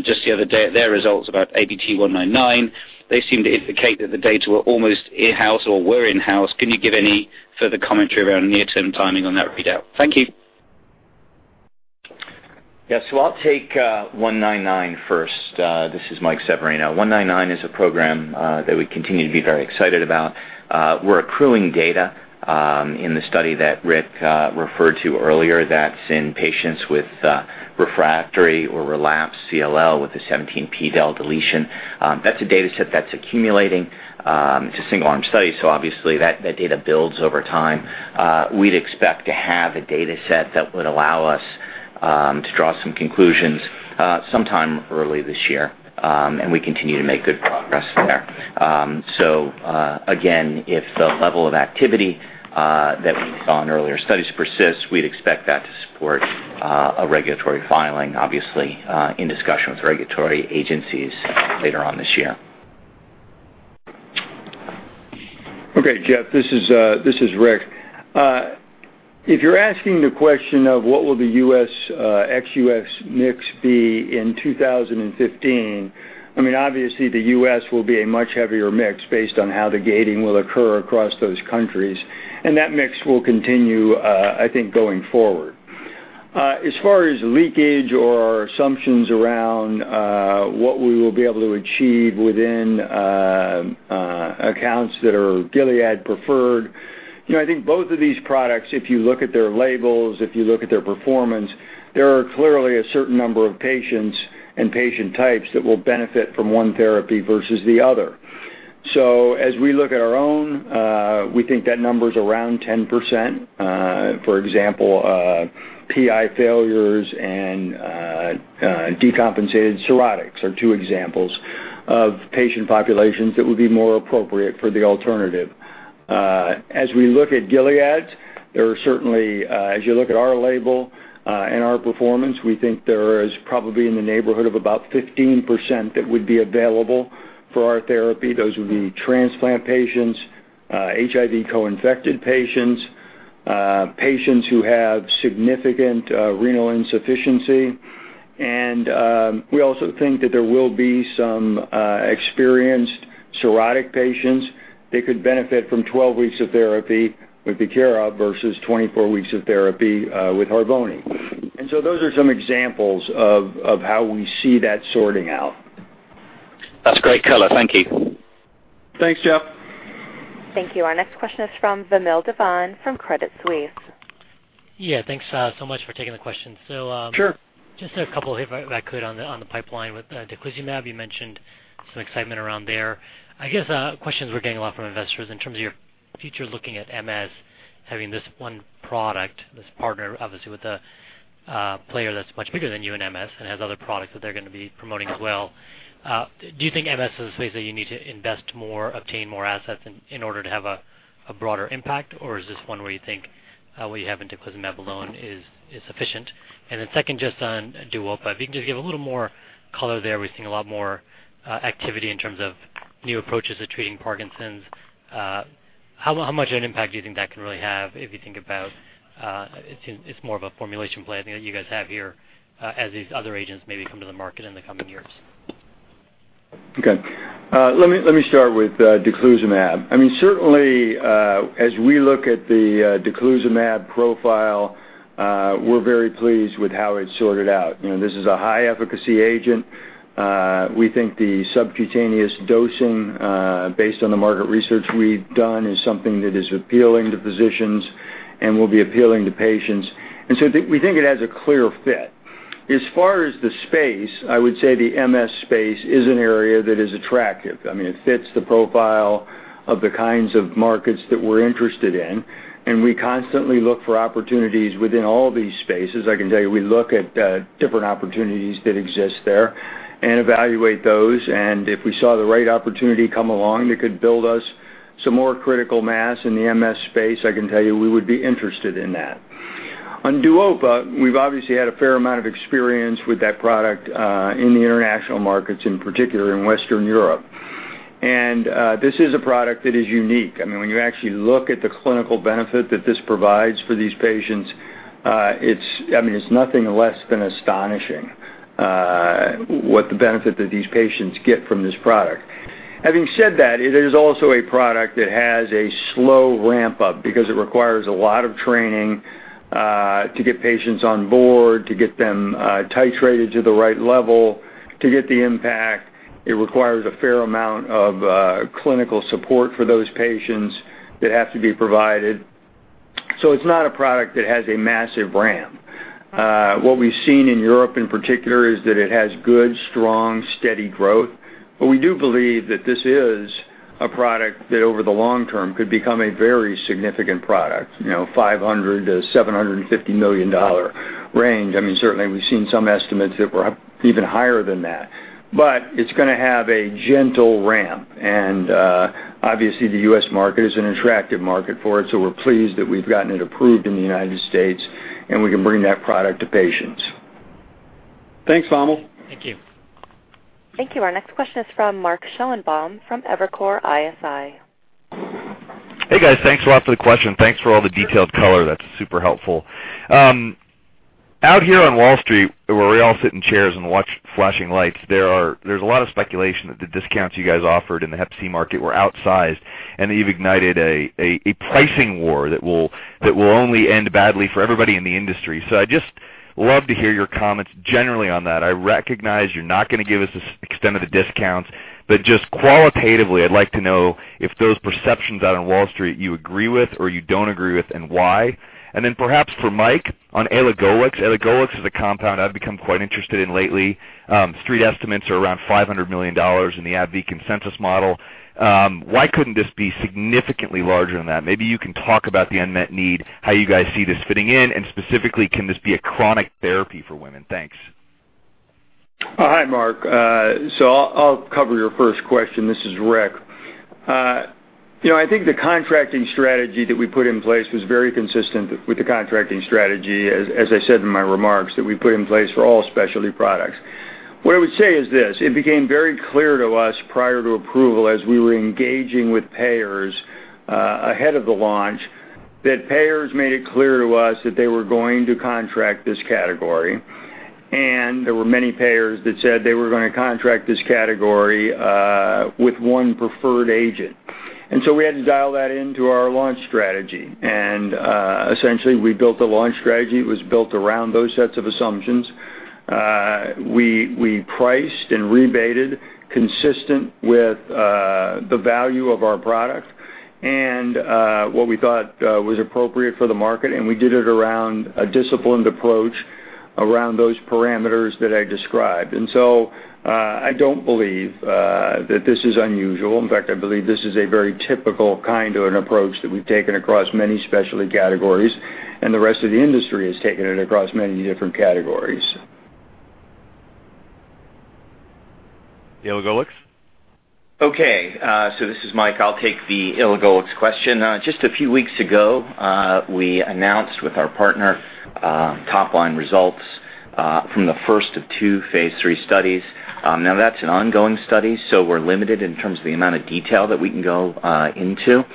just the other day at their results about ABT-199. They seem to indicate that the data were almost in-house or were in-house. Can you give any further commentary around near-term timing on that readout? Thank you. I'll take 199 first. This is Michael Severino. 199 is a program that we continue to be very excited about. We're accruing data in the study that Rick referred to earlier that's in patients with refractory or relapsed CLL with a 17p deletion. That's a data set that's accumulating. It's a single-arm study, so obviously that data builds over time. We'd expect to have a data set that would allow us to draw some conclusions sometime early this year, and we continue to make good progress there. Again, if the level of activity that we saw in earlier studies persists, we'd expect that to support a regulatory filing, obviously, in discussion with regulatory agencies later on this year. Okay, Jeff, this is Rick. If you're asking the question of what will the U.S. ex-U.S. mix be in 2015, obviously the U.S. will be a much heavier mix based on how the gating will occur across those countries, and that mix will continue, I think, going forward. As far as leakage or assumptions around what we will be able to achieve within accounts that are Gilead preferred, I think both of these products, if you look at their labels, if you look at their performance, there are clearly a certain number of patients and patient types that will benefit from one therapy versus the other. As we look at our own, we think that number's around 10%. For example, PI failures and decompensated cirrhotics are two examples of patient populations that would be more appropriate for the alternative. As we look at Gilead's, as you look at our label and our performance, we think there is probably in the neighborhood of about 15% that would be available for our therapy. Those would be transplant patients, HIV co-infected patients who have significant renal insufficiency, and we also think that there will be some experienced cirrhotic patients that could benefit from 12 weeks of therapy with VIEKIRA versus 24 weeks of therapy with Harvoni. Those are some examples of how we see that sorting out. That's great color. Thank you. Thanks, Jeff. Thank you. Our next question is from Vamil Divan from Credit Suisse. Yeah. Thanks so much for taking the question. Just a couple here, if I could, on the pipeline with daclizumab. You mentioned some excitement around there. I guess questions we're getting a lot from investors in terms of your future looking at MS, having this one product, this partner obviously with a player that's much bigger than you in MS and has other products that they're going to be promoting as well. Do you think MS is a space that you need to invest more, obtain more assets in order to have a broader impact? Or is this one where you think what you have in daclizumab alone is sufficient? Second, just on DUOPA, if you can just give a little more color there. We're seeing a lot more activity in terms of new approaches to treating Parkinson's. How much of an impact do you think that can really have if you think about it's more of a formulation play that you guys have here as these other agents maybe come to the market in the coming years? Okay. Let me start with daclizumab. Certainly, as we look at the daclizumab profile, we're very pleased with how it sorted out. This is a high-efficacy agent. We think the subcutaneous dosing based on the market research we've done is something that is appealing to physicians and will be appealing to patients. We think it has a clear fit. As far as the space, I would say the MS space is an area that is attractive. It fits the profile of the kinds of markets that we're interested in, and we constantly look for opportunities within all of these spaces. I can tell you, we look at different opportunities that exist there and evaluate those, if we saw the right opportunity come along that could build us some more critical mass in the MS space, I can tell you we would be interested in that. On DUOPA, we've obviously had a fair amount of experience with that product in the international markets, in particular in Western Europe. This is a product that is unique. When you actually look at the clinical benefit that this provides for these patients, it's nothing less than astonishing what the benefit that these patients get from this product. Having said that, it is also a product that has a slow ramp-up because it requires a lot of training to get patients on board, to get them titrated to the right level, to get the impact. It requires a fair amount of clinical support for those patients that have to be provided. It's not a product that has a massive ramp. What we've seen in Europe, in particular, is that it has good, strong, steady growth. We do believe that this is a product that, over the long term, could become a very significant product, $500 million-$750 million range. Certainly, we've seen some estimates that were even higher than that. It's going to have a gentle ramp. Obviously, the U.S. market is an attractive market for it, so we're pleased that we've gotten it approved in the United States, and we can bring that product to patients. Thanks, Vamil. Thank you. Thank you. Our next question is from Mark Schoenebaum from Evercore ISI. Hey, guys. Thanks a lot for the question. Thanks for all the detailed color. That's super helpful. Out here on Wall Street, where we all sit in chairs and watch flashing lights, there's a lot of speculation that the discounts you guys offered in the hep C market were outsized, and that you've ignited a pricing war that will only end badly for everybody in the industry. I'd just love to hear your comments generally on that. I recognize you're not going to give us the extent of the discounts, but just qualitatively, I'd like to know if those perceptions out on Wall Street you agree with or you don't agree with, and why. Then perhaps for Mike on elagolix. elagolix is a compound I've become quite interested in lately. Street estimates are around $500 million in the AbbVie consensus model. Why couldn't this be significantly larger than that? Maybe you can talk about the unmet need, how you guys see this fitting in, and specifically, can this be a chronic therapy for women? Thanks. Hi, Mark. I'll cover your first question. This is Rick. I think the contracting strategy that we put in place was very consistent with the contracting strategy, as I said in my remarks, that we put in place for all specialty products. What I would say is this: It became very clear to us prior to approval as we were engaging with payers ahead of the launch, that payers made it clear to us that they were going to contract this category, and there were many payers that said they were going to contract this category with one preferred agent. We had to dial that into our launch strategy. Essentially, we built a launch strategy. It was built around those sets of assumptions. We priced and rebated consistent with the value of our product and what we thought was appropriate for the market, and we did it around a disciplined approach around those parameters that I described. I don't believe that this is unusual. In fact, I believe this is a very typical kind of an approach that we've taken across many specialty categories, and the rest of the industry has taken it across many different categories. Elagolix? Okay. This is Mike. I'll take the elagolix question. Just a few weeks ago, we announced with our partner top-line results from the first of two phase III studies. That's an ongoing study, we're limited in terms of the amount of detail that we can go into.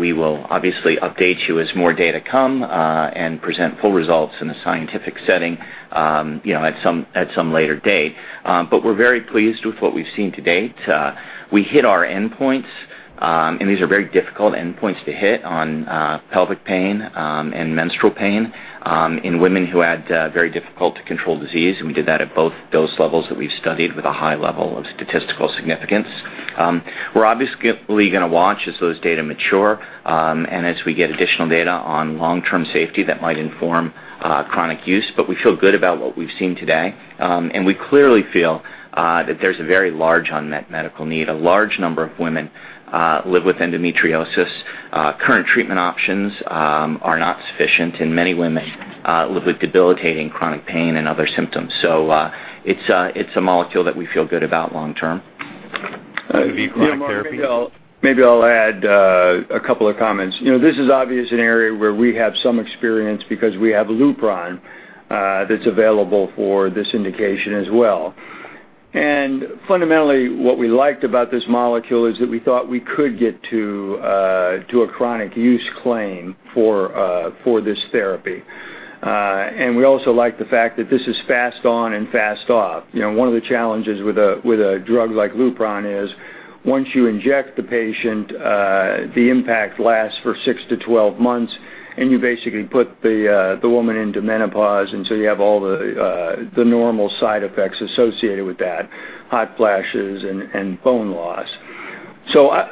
We will obviously update you as more data come and present full results in a scientific setting at some later date. We're very pleased with what we've seen to date. We hit our endpoints, and these are very difficult endpoints to hit on pelvic pain and menstrual pain in women who had very difficult-to-control disease, and we did that at both dose levels that we've studied with a high level of statistical significance. We're obviously going to watch as those data mature and as we get additional data on long-term safety that might inform chronic use. We feel good about what we've seen today. We clearly feel that there's a very large unmet medical need. A large number of women live with endometriosis. Current treatment options are not sufficient, and many women live with debilitating chronic pain and other symptoms. It's a molecule that we feel good about long term. It could be chronic therapy. Maybe I'll add a couple of comments. This is obviously an area where we have some experience because we have LUPRON that's available for this indication as well. Fundamentally, what we liked about this molecule is that we thought we could get to a chronic use claim for this therapy. We also like the fact that this is fast on and fast off. One of the challenges with a drug like LUPRON is once you inject the patient, the impact lasts for 6 to 12 months, and you basically put the woman into menopause, and you have all the normal side effects associated with that, hot flashes and bone loss.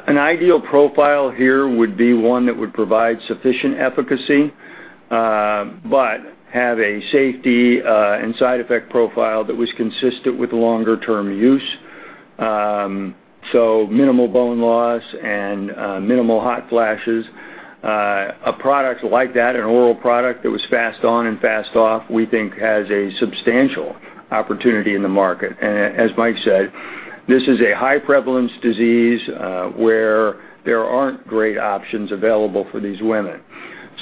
An ideal profile here would be one that would provide sufficient efficacy but have a safety and side effect profile that was consistent with longer-term use, so minimal bone loss and minimal hot flashes. A product like that, an oral product that was fast on and fast off, we think has a substantial opportunity in the market. As Mike said. This is a high prevalence disease where there aren't great options available for these women.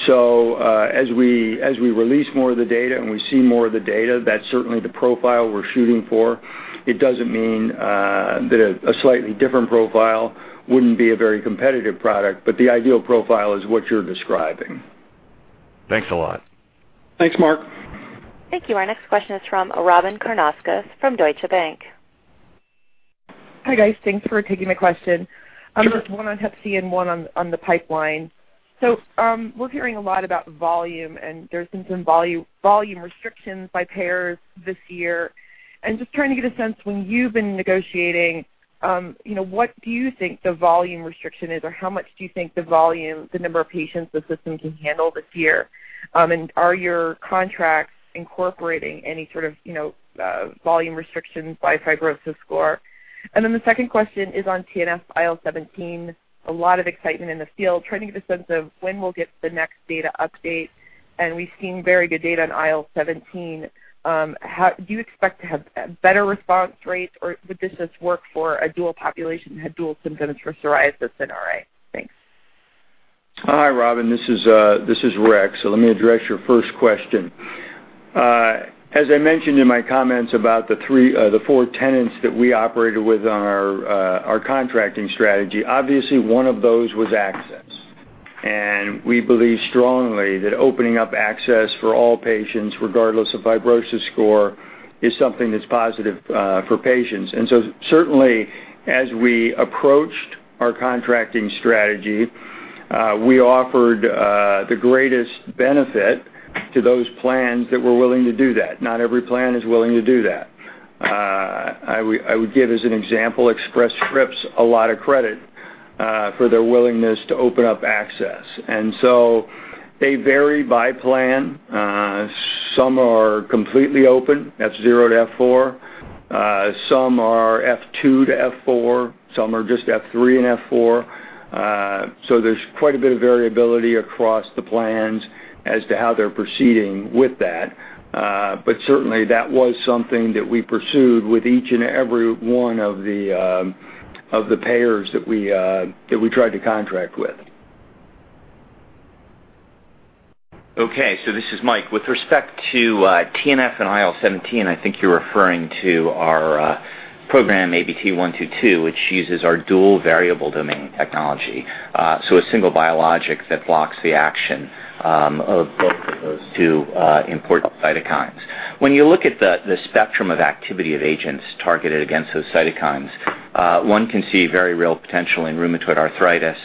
As we release more of the data and we see more of the data, that's certainly the profile we're shooting for. It doesn't mean that a slightly different profile wouldn't be a very competitive product, but the ideal profile is what you're describing. Thanks a lot. Thanks, Mark. Thank you. Our next question is from Robyn Karnauskas from Deutsche Bank. Hi, guys. Thanks for taking the question. Sure. I've got one on HCV and one on the pipeline. We're hearing a lot about volume. There's been some volume restrictions by payers this year. Just trying to get a sense when you've been negotiating, what do you think the volume restriction is or how much do you think the number of patients the system can handle this year? Are your contracts incorporating any sort of volume restrictions by fibrosis score? The second question is on TNF IL-17, a lot of excitement in the field. Trying to get a sense of when we'll get the next data update. We've seen very good data on IL-17. Do you expect to have better response rates, or would this just work for a dual population who had dual symptoms for psoriasis and RA? Thanks. Hi, Robyn. This is Rick. Let me address your first question. As I mentioned in my comments about the four tenants that we operated with on our contracting strategy, obviously one of those was access. We believe strongly that opening up access for all patients, regardless of fibrosis score, is something that's positive for patients. Certainly, as we approached our contracting strategy, we offered the greatest benefit to those plans that were willing to do that. Not every plan is willing to do that. I would give as an example, Express Scripts, a lot of credit for their willingness to open up access. They vary by plan. Some are completely open, F0 to F4. Some are F2 to F4. Some are just F3 and F4. There's quite a bit of variability across the plans as to how they're proceeding with that. Certainly, that was something that we pursued with each and every one of the payers that we tried to contract with. This is Michael. With respect to TNF and IL-17, I think you're referring to our program, ABT-122, which uses our dual variable domain technology. A single biologic that blocks the action of both of those two important cytokines. When you look at the spectrum of activity of agents targeted against those cytokines, one can see very real potential in rheumatoid arthritis,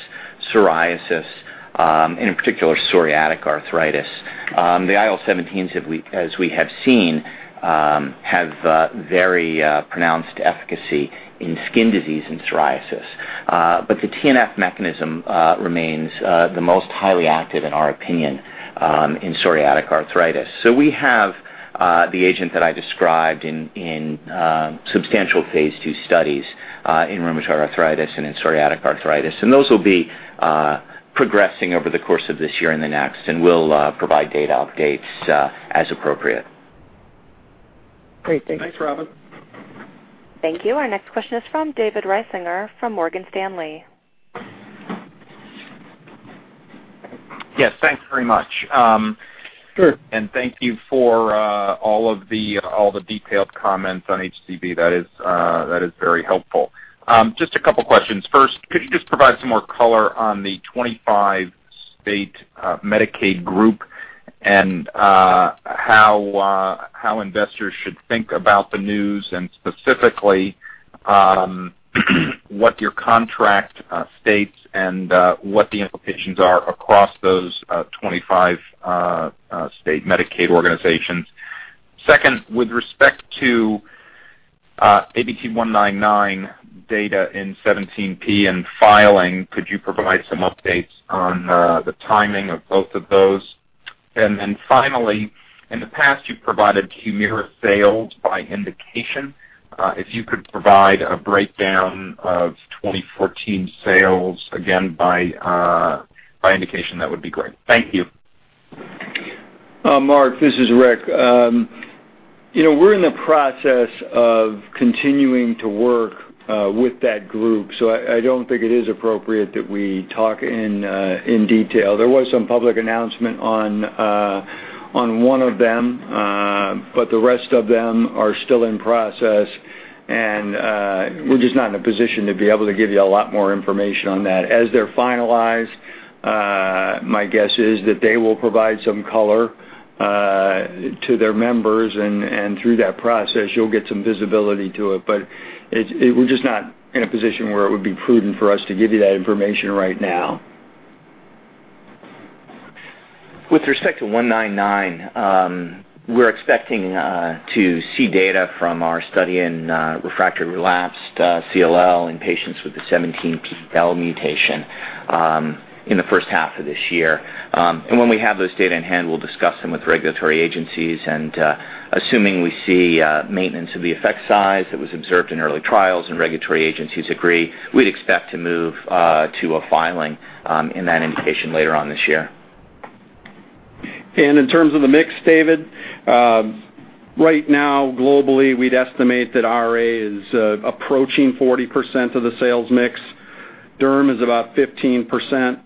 psoriasis, in particular psoriatic arthritis. The IL-17s, as we have seen, have very pronounced efficacy in skin disease and psoriasis. The TNF mechanism remains the most highly active, in our opinion, in psoriatic arthritis. We have the agent that I described in substantial phase II studies in rheumatoid arthritis and in psoriatic arthritis. Those will be progressing over the course of this year and the next. We'll provide data updates as appropriate. Great. Thanks. Thanks, Robyn. Thank you. Our next question is from David Risinger from Morgan Stanley. Yes, thanks very much. Sure. Thank you for all the detailed comments on HCV. That is very helpful. Just a couple of questions. First, could you just provide some more color on the 25-state Medicaid group and how investors should think about the news and specifically what your contract states and what the implications are across those 25 state Medicaid organizations? Second, with respect to ABT-199 data in 17p and filing, could you provide some updates on the timing of both of those? Finally, in the past, you've provided HUMIRA sales by indication. If you could provide a breakdown of 2014 sales, again by indication, that would be great. Thank you. Marc, this is Rick. We're in the process of continuing to work with that group. I don't think it is appropriate that we talk in detail. There was some public announcement on one of them, the rest of them are still in process. We're just not in a position to be able to give you a lot more information on that. As they're finalized, my guess is that they will provide some color to their members, through that process, you'll get some visibility to it. We're just not in a position where it would be prudent for us to give you that information right now. With respect to 199, we're expecting to see data from our study in refractory relapsed CLL in patients with the 17p deletion mutation in the first half of this year. When we have those data in hand, we'll discuss them with regulatory agencies, assuming we see maintenance of the effect size that was observed in early trials and regulatory agencies agree, we'd expect to move to a filing in that indication later on this year. In terms of the mix, David, right now, globally, we'd estimate that RA is approaching 40% of the sales mix, derm is about 15%,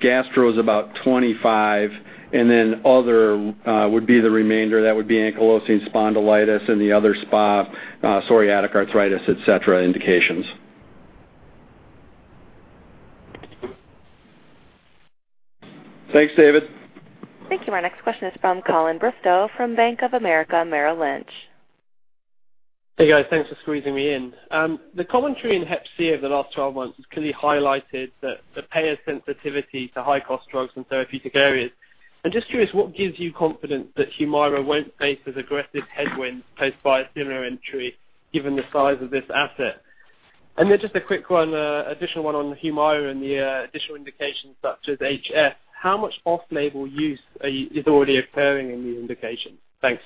gastro is about 25%. Other would be the remainder. That would be ankylosing spondylitis and the other Spondyloarthritis, psoriatic arthritis, et cetera, indications. Thanks, David. Thank you. Our next question is from Colin Bristow from Bank of America Merrill Lynch. Hey, guys. Thanks for squeezing me in. The commentary in hep C over the last 12 months has clearly highlighted the payer sensitivity to high-cost drugs in therapeutic areas. I'm just curious what gives you confidence that HUMIRA won't face as aggressive headwinds posed by a similar entry given the size of this asset? Then just a quick one, additional one on HUMIRA and the additional indications such as HS. How much off-label use is already occurring in the indication? Thanks.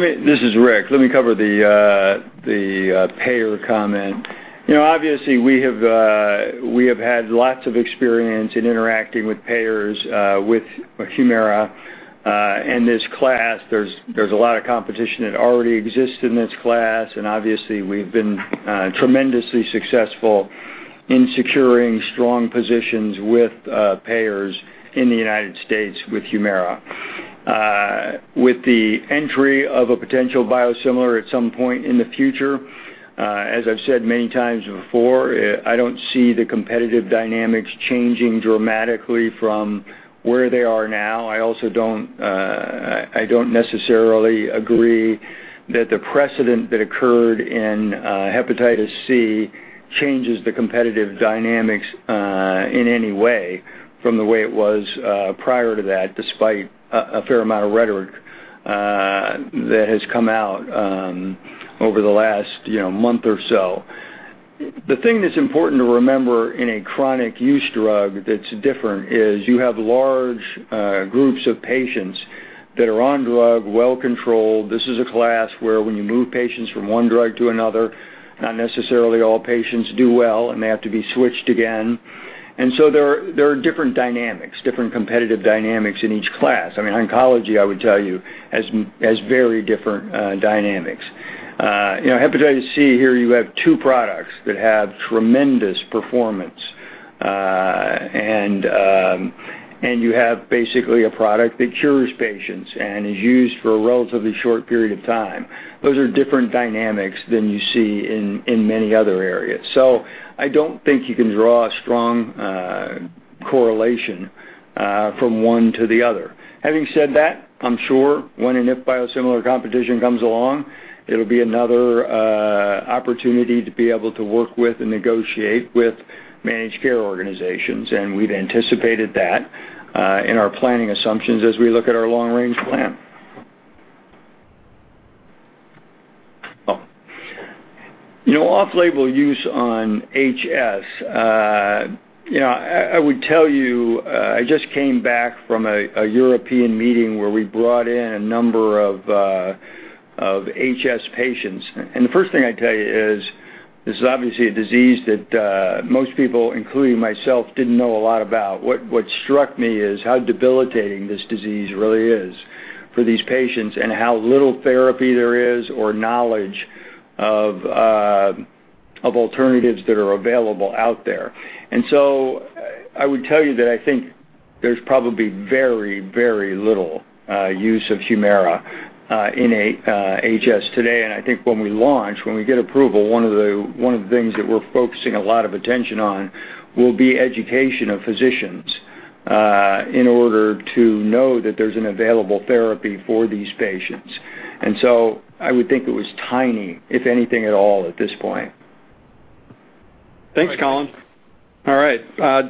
This is Rick. Let me cover the payer comment. Obviously, we have had lots of experience in interacting with payers with HUMIRA and this class. There's a lot of competition that already exists in this class, and obviously, we've been tremendously successful in securing strong positions with payers in the United States with HUMIRA. With the entry of a potential biosimilar at some point in the future, as I've said many times before, I don't see the competitive dynamics changing dramatically from where they are now. I don't necessarily agree that the precedent that occurred in hepatitis C changes the competitive dynamics in any way from the way it was prior to that, despite a fair amount of rhetoric that has come out over the last month or so. The thing that's important to remember in a chronic use drug that's different is you have large groups of patients that are on drug, well-controlled. This is a class where when you move patients from one drug to another, not necessarily all patients do well, and they have to be switched again. There are different competitive dynamics in each class. Oncology, I would tell you, has very different dynamics. Hepatitis C, here you have two products that have tremendous performance. You have basically a product that cures patients and is used for a relatively short period of time. Those are different dynamics than you see in many other areas. I don't think you can draw a strong correlation from one to the other. Having said that, I'm sure when and if biosimilar competition comes along, it'll be another opportunity to be able to work with and negotiate with managed care organizations, we've anticipated that in our planning assumptions as we look at our long-range plan. Off-label use on HS. I would tell you, I just came back from a European meeting where we brought in a number of HS patients. The first thing I'd tell you is this is obviously a disease that most people, including myself, didn't know a lot about. What struck me is how debilitating this disease really is for these patients and how little therapy there is or knowledge of alternatives that are available out there. I would tell you that I think there's probably very little use of HUMIRA in HS today. I think when we launch, when we get approval, one of the things that we're focusing a lot of attention on will be education of physicians in order to know that there's an available therapy for these patients. I would think it was tiny, if anything at all at this point. Thanks, Colin. All right.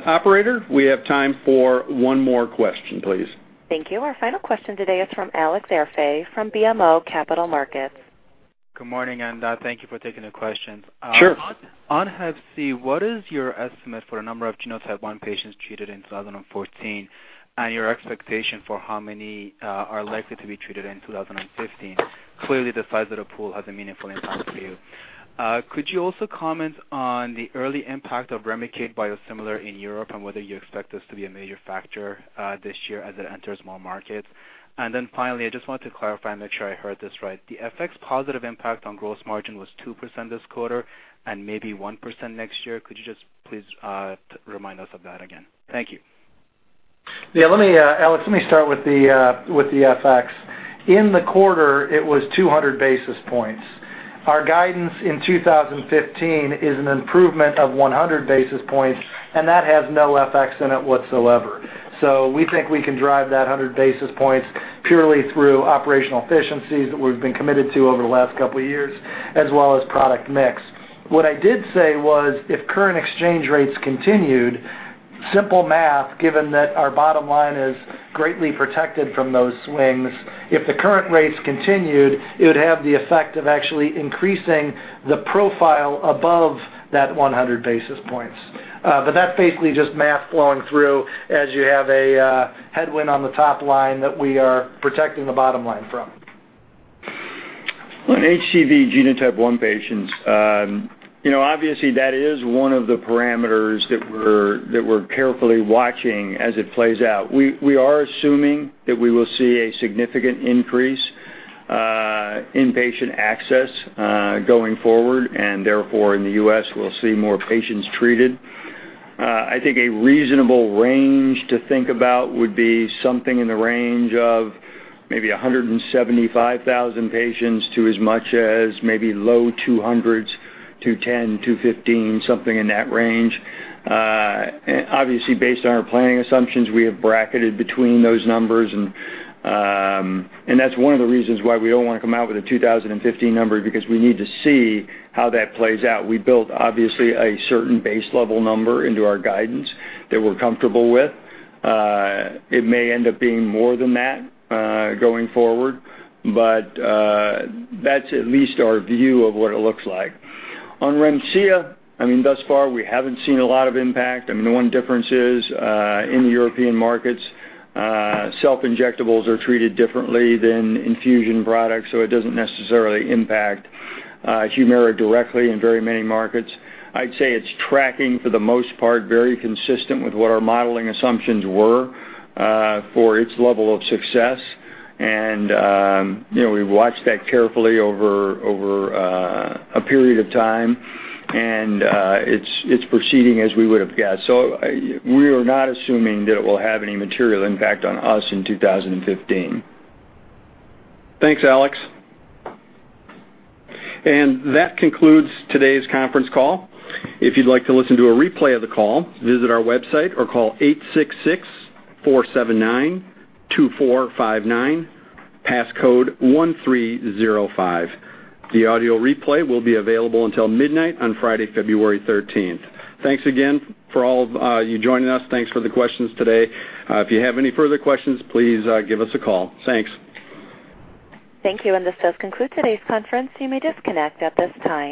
Operator, we have time for one more question, please. Thank you. Our final question today is from Alex Arfaei from BMO Capital Markets. Good morning, thank you for taking the questions. Sure. On hep C, what is your estimate for the number of genotype 1 patients treated in 2014 and your expectation for how many are likely to be treated in 2015? Clearly, the size of the pool has a meaningful impact for you. Could you also comment on the early impact of REMICADE biosimilar in Europe and whether you expect this to be a major factor this year as it enters more markets? Finally, I just wanted to clarify and make sure I heard this right. The FX positive impact on gross margin was 2% this quarter and maybe 1% next year. Could you just please remind us of that again? Thank you. Alex, let me start with the FX. In the quarter, it was 200 basis points. Our guidance in 2015 is an improvement of 100 basis points, that has no FX in it whatsoever. We think we can drive that 100 basis points purely through operational efficiencies that we've been committed to over the last couple of years, as well as product mix. What I did say was, if current exchange rates continued, simple math, given that our bottom line is greatly protected from those swings, if the current rates continued, it would have the effect of actually increasing the profile above that 100 basis points. That's basically just math flowing through as you have a headwind on the top line that we are protecting the bottom line from. On HCV genotype 1 patients, obviously that is one of the parameters that we're carefully watching as it plays out. We are assuming that we will see a significant increase in patient access going forward. Therefore, in the U.S. we'll see more patients treated. I think a reasonable range to think about would be something in the range of maybe 175,000 patients to as much as maybe low 200s to 10, to 15, something in that range. Obviously, based on our planning assumptions, we have bracketed between those numbers. That's one of the reasons why we don't want to come out with a 2015 number, because we need to see how that plays out. We built, obviously, a certain base level number into our guidance that we're comfortable with. It may end up being more than that going forward. That's at least our view of what it looks like. On Remsima, thus far we haven't seen a lot of impact. The one difference is in the European markets self-injectables are treated differently than infusion products, so it doesn't necessarily impact HUMIRA directly in very many markets. I'd say it's tracking for the most part very consistent with what our modeling assumptions were for its level of success and we've watched that carefully over a period of time, and it's proceeding as we would have guessed. We are not assuming that it will have any material impact on us in 2015. Thanks, Alex. That concludes today's conference call. If you'd like to listen to a replay of the call, visit our website or call 866-479-2459, pass code 1305. The audio replay will be available until midnight on Friday, February 13th. Thanks again for all of you joining us. Thanks for the questions today. If you have any further questions, please give us a call. Thanks. Thank you. This does conclude today's conference. You may disconnect at this time.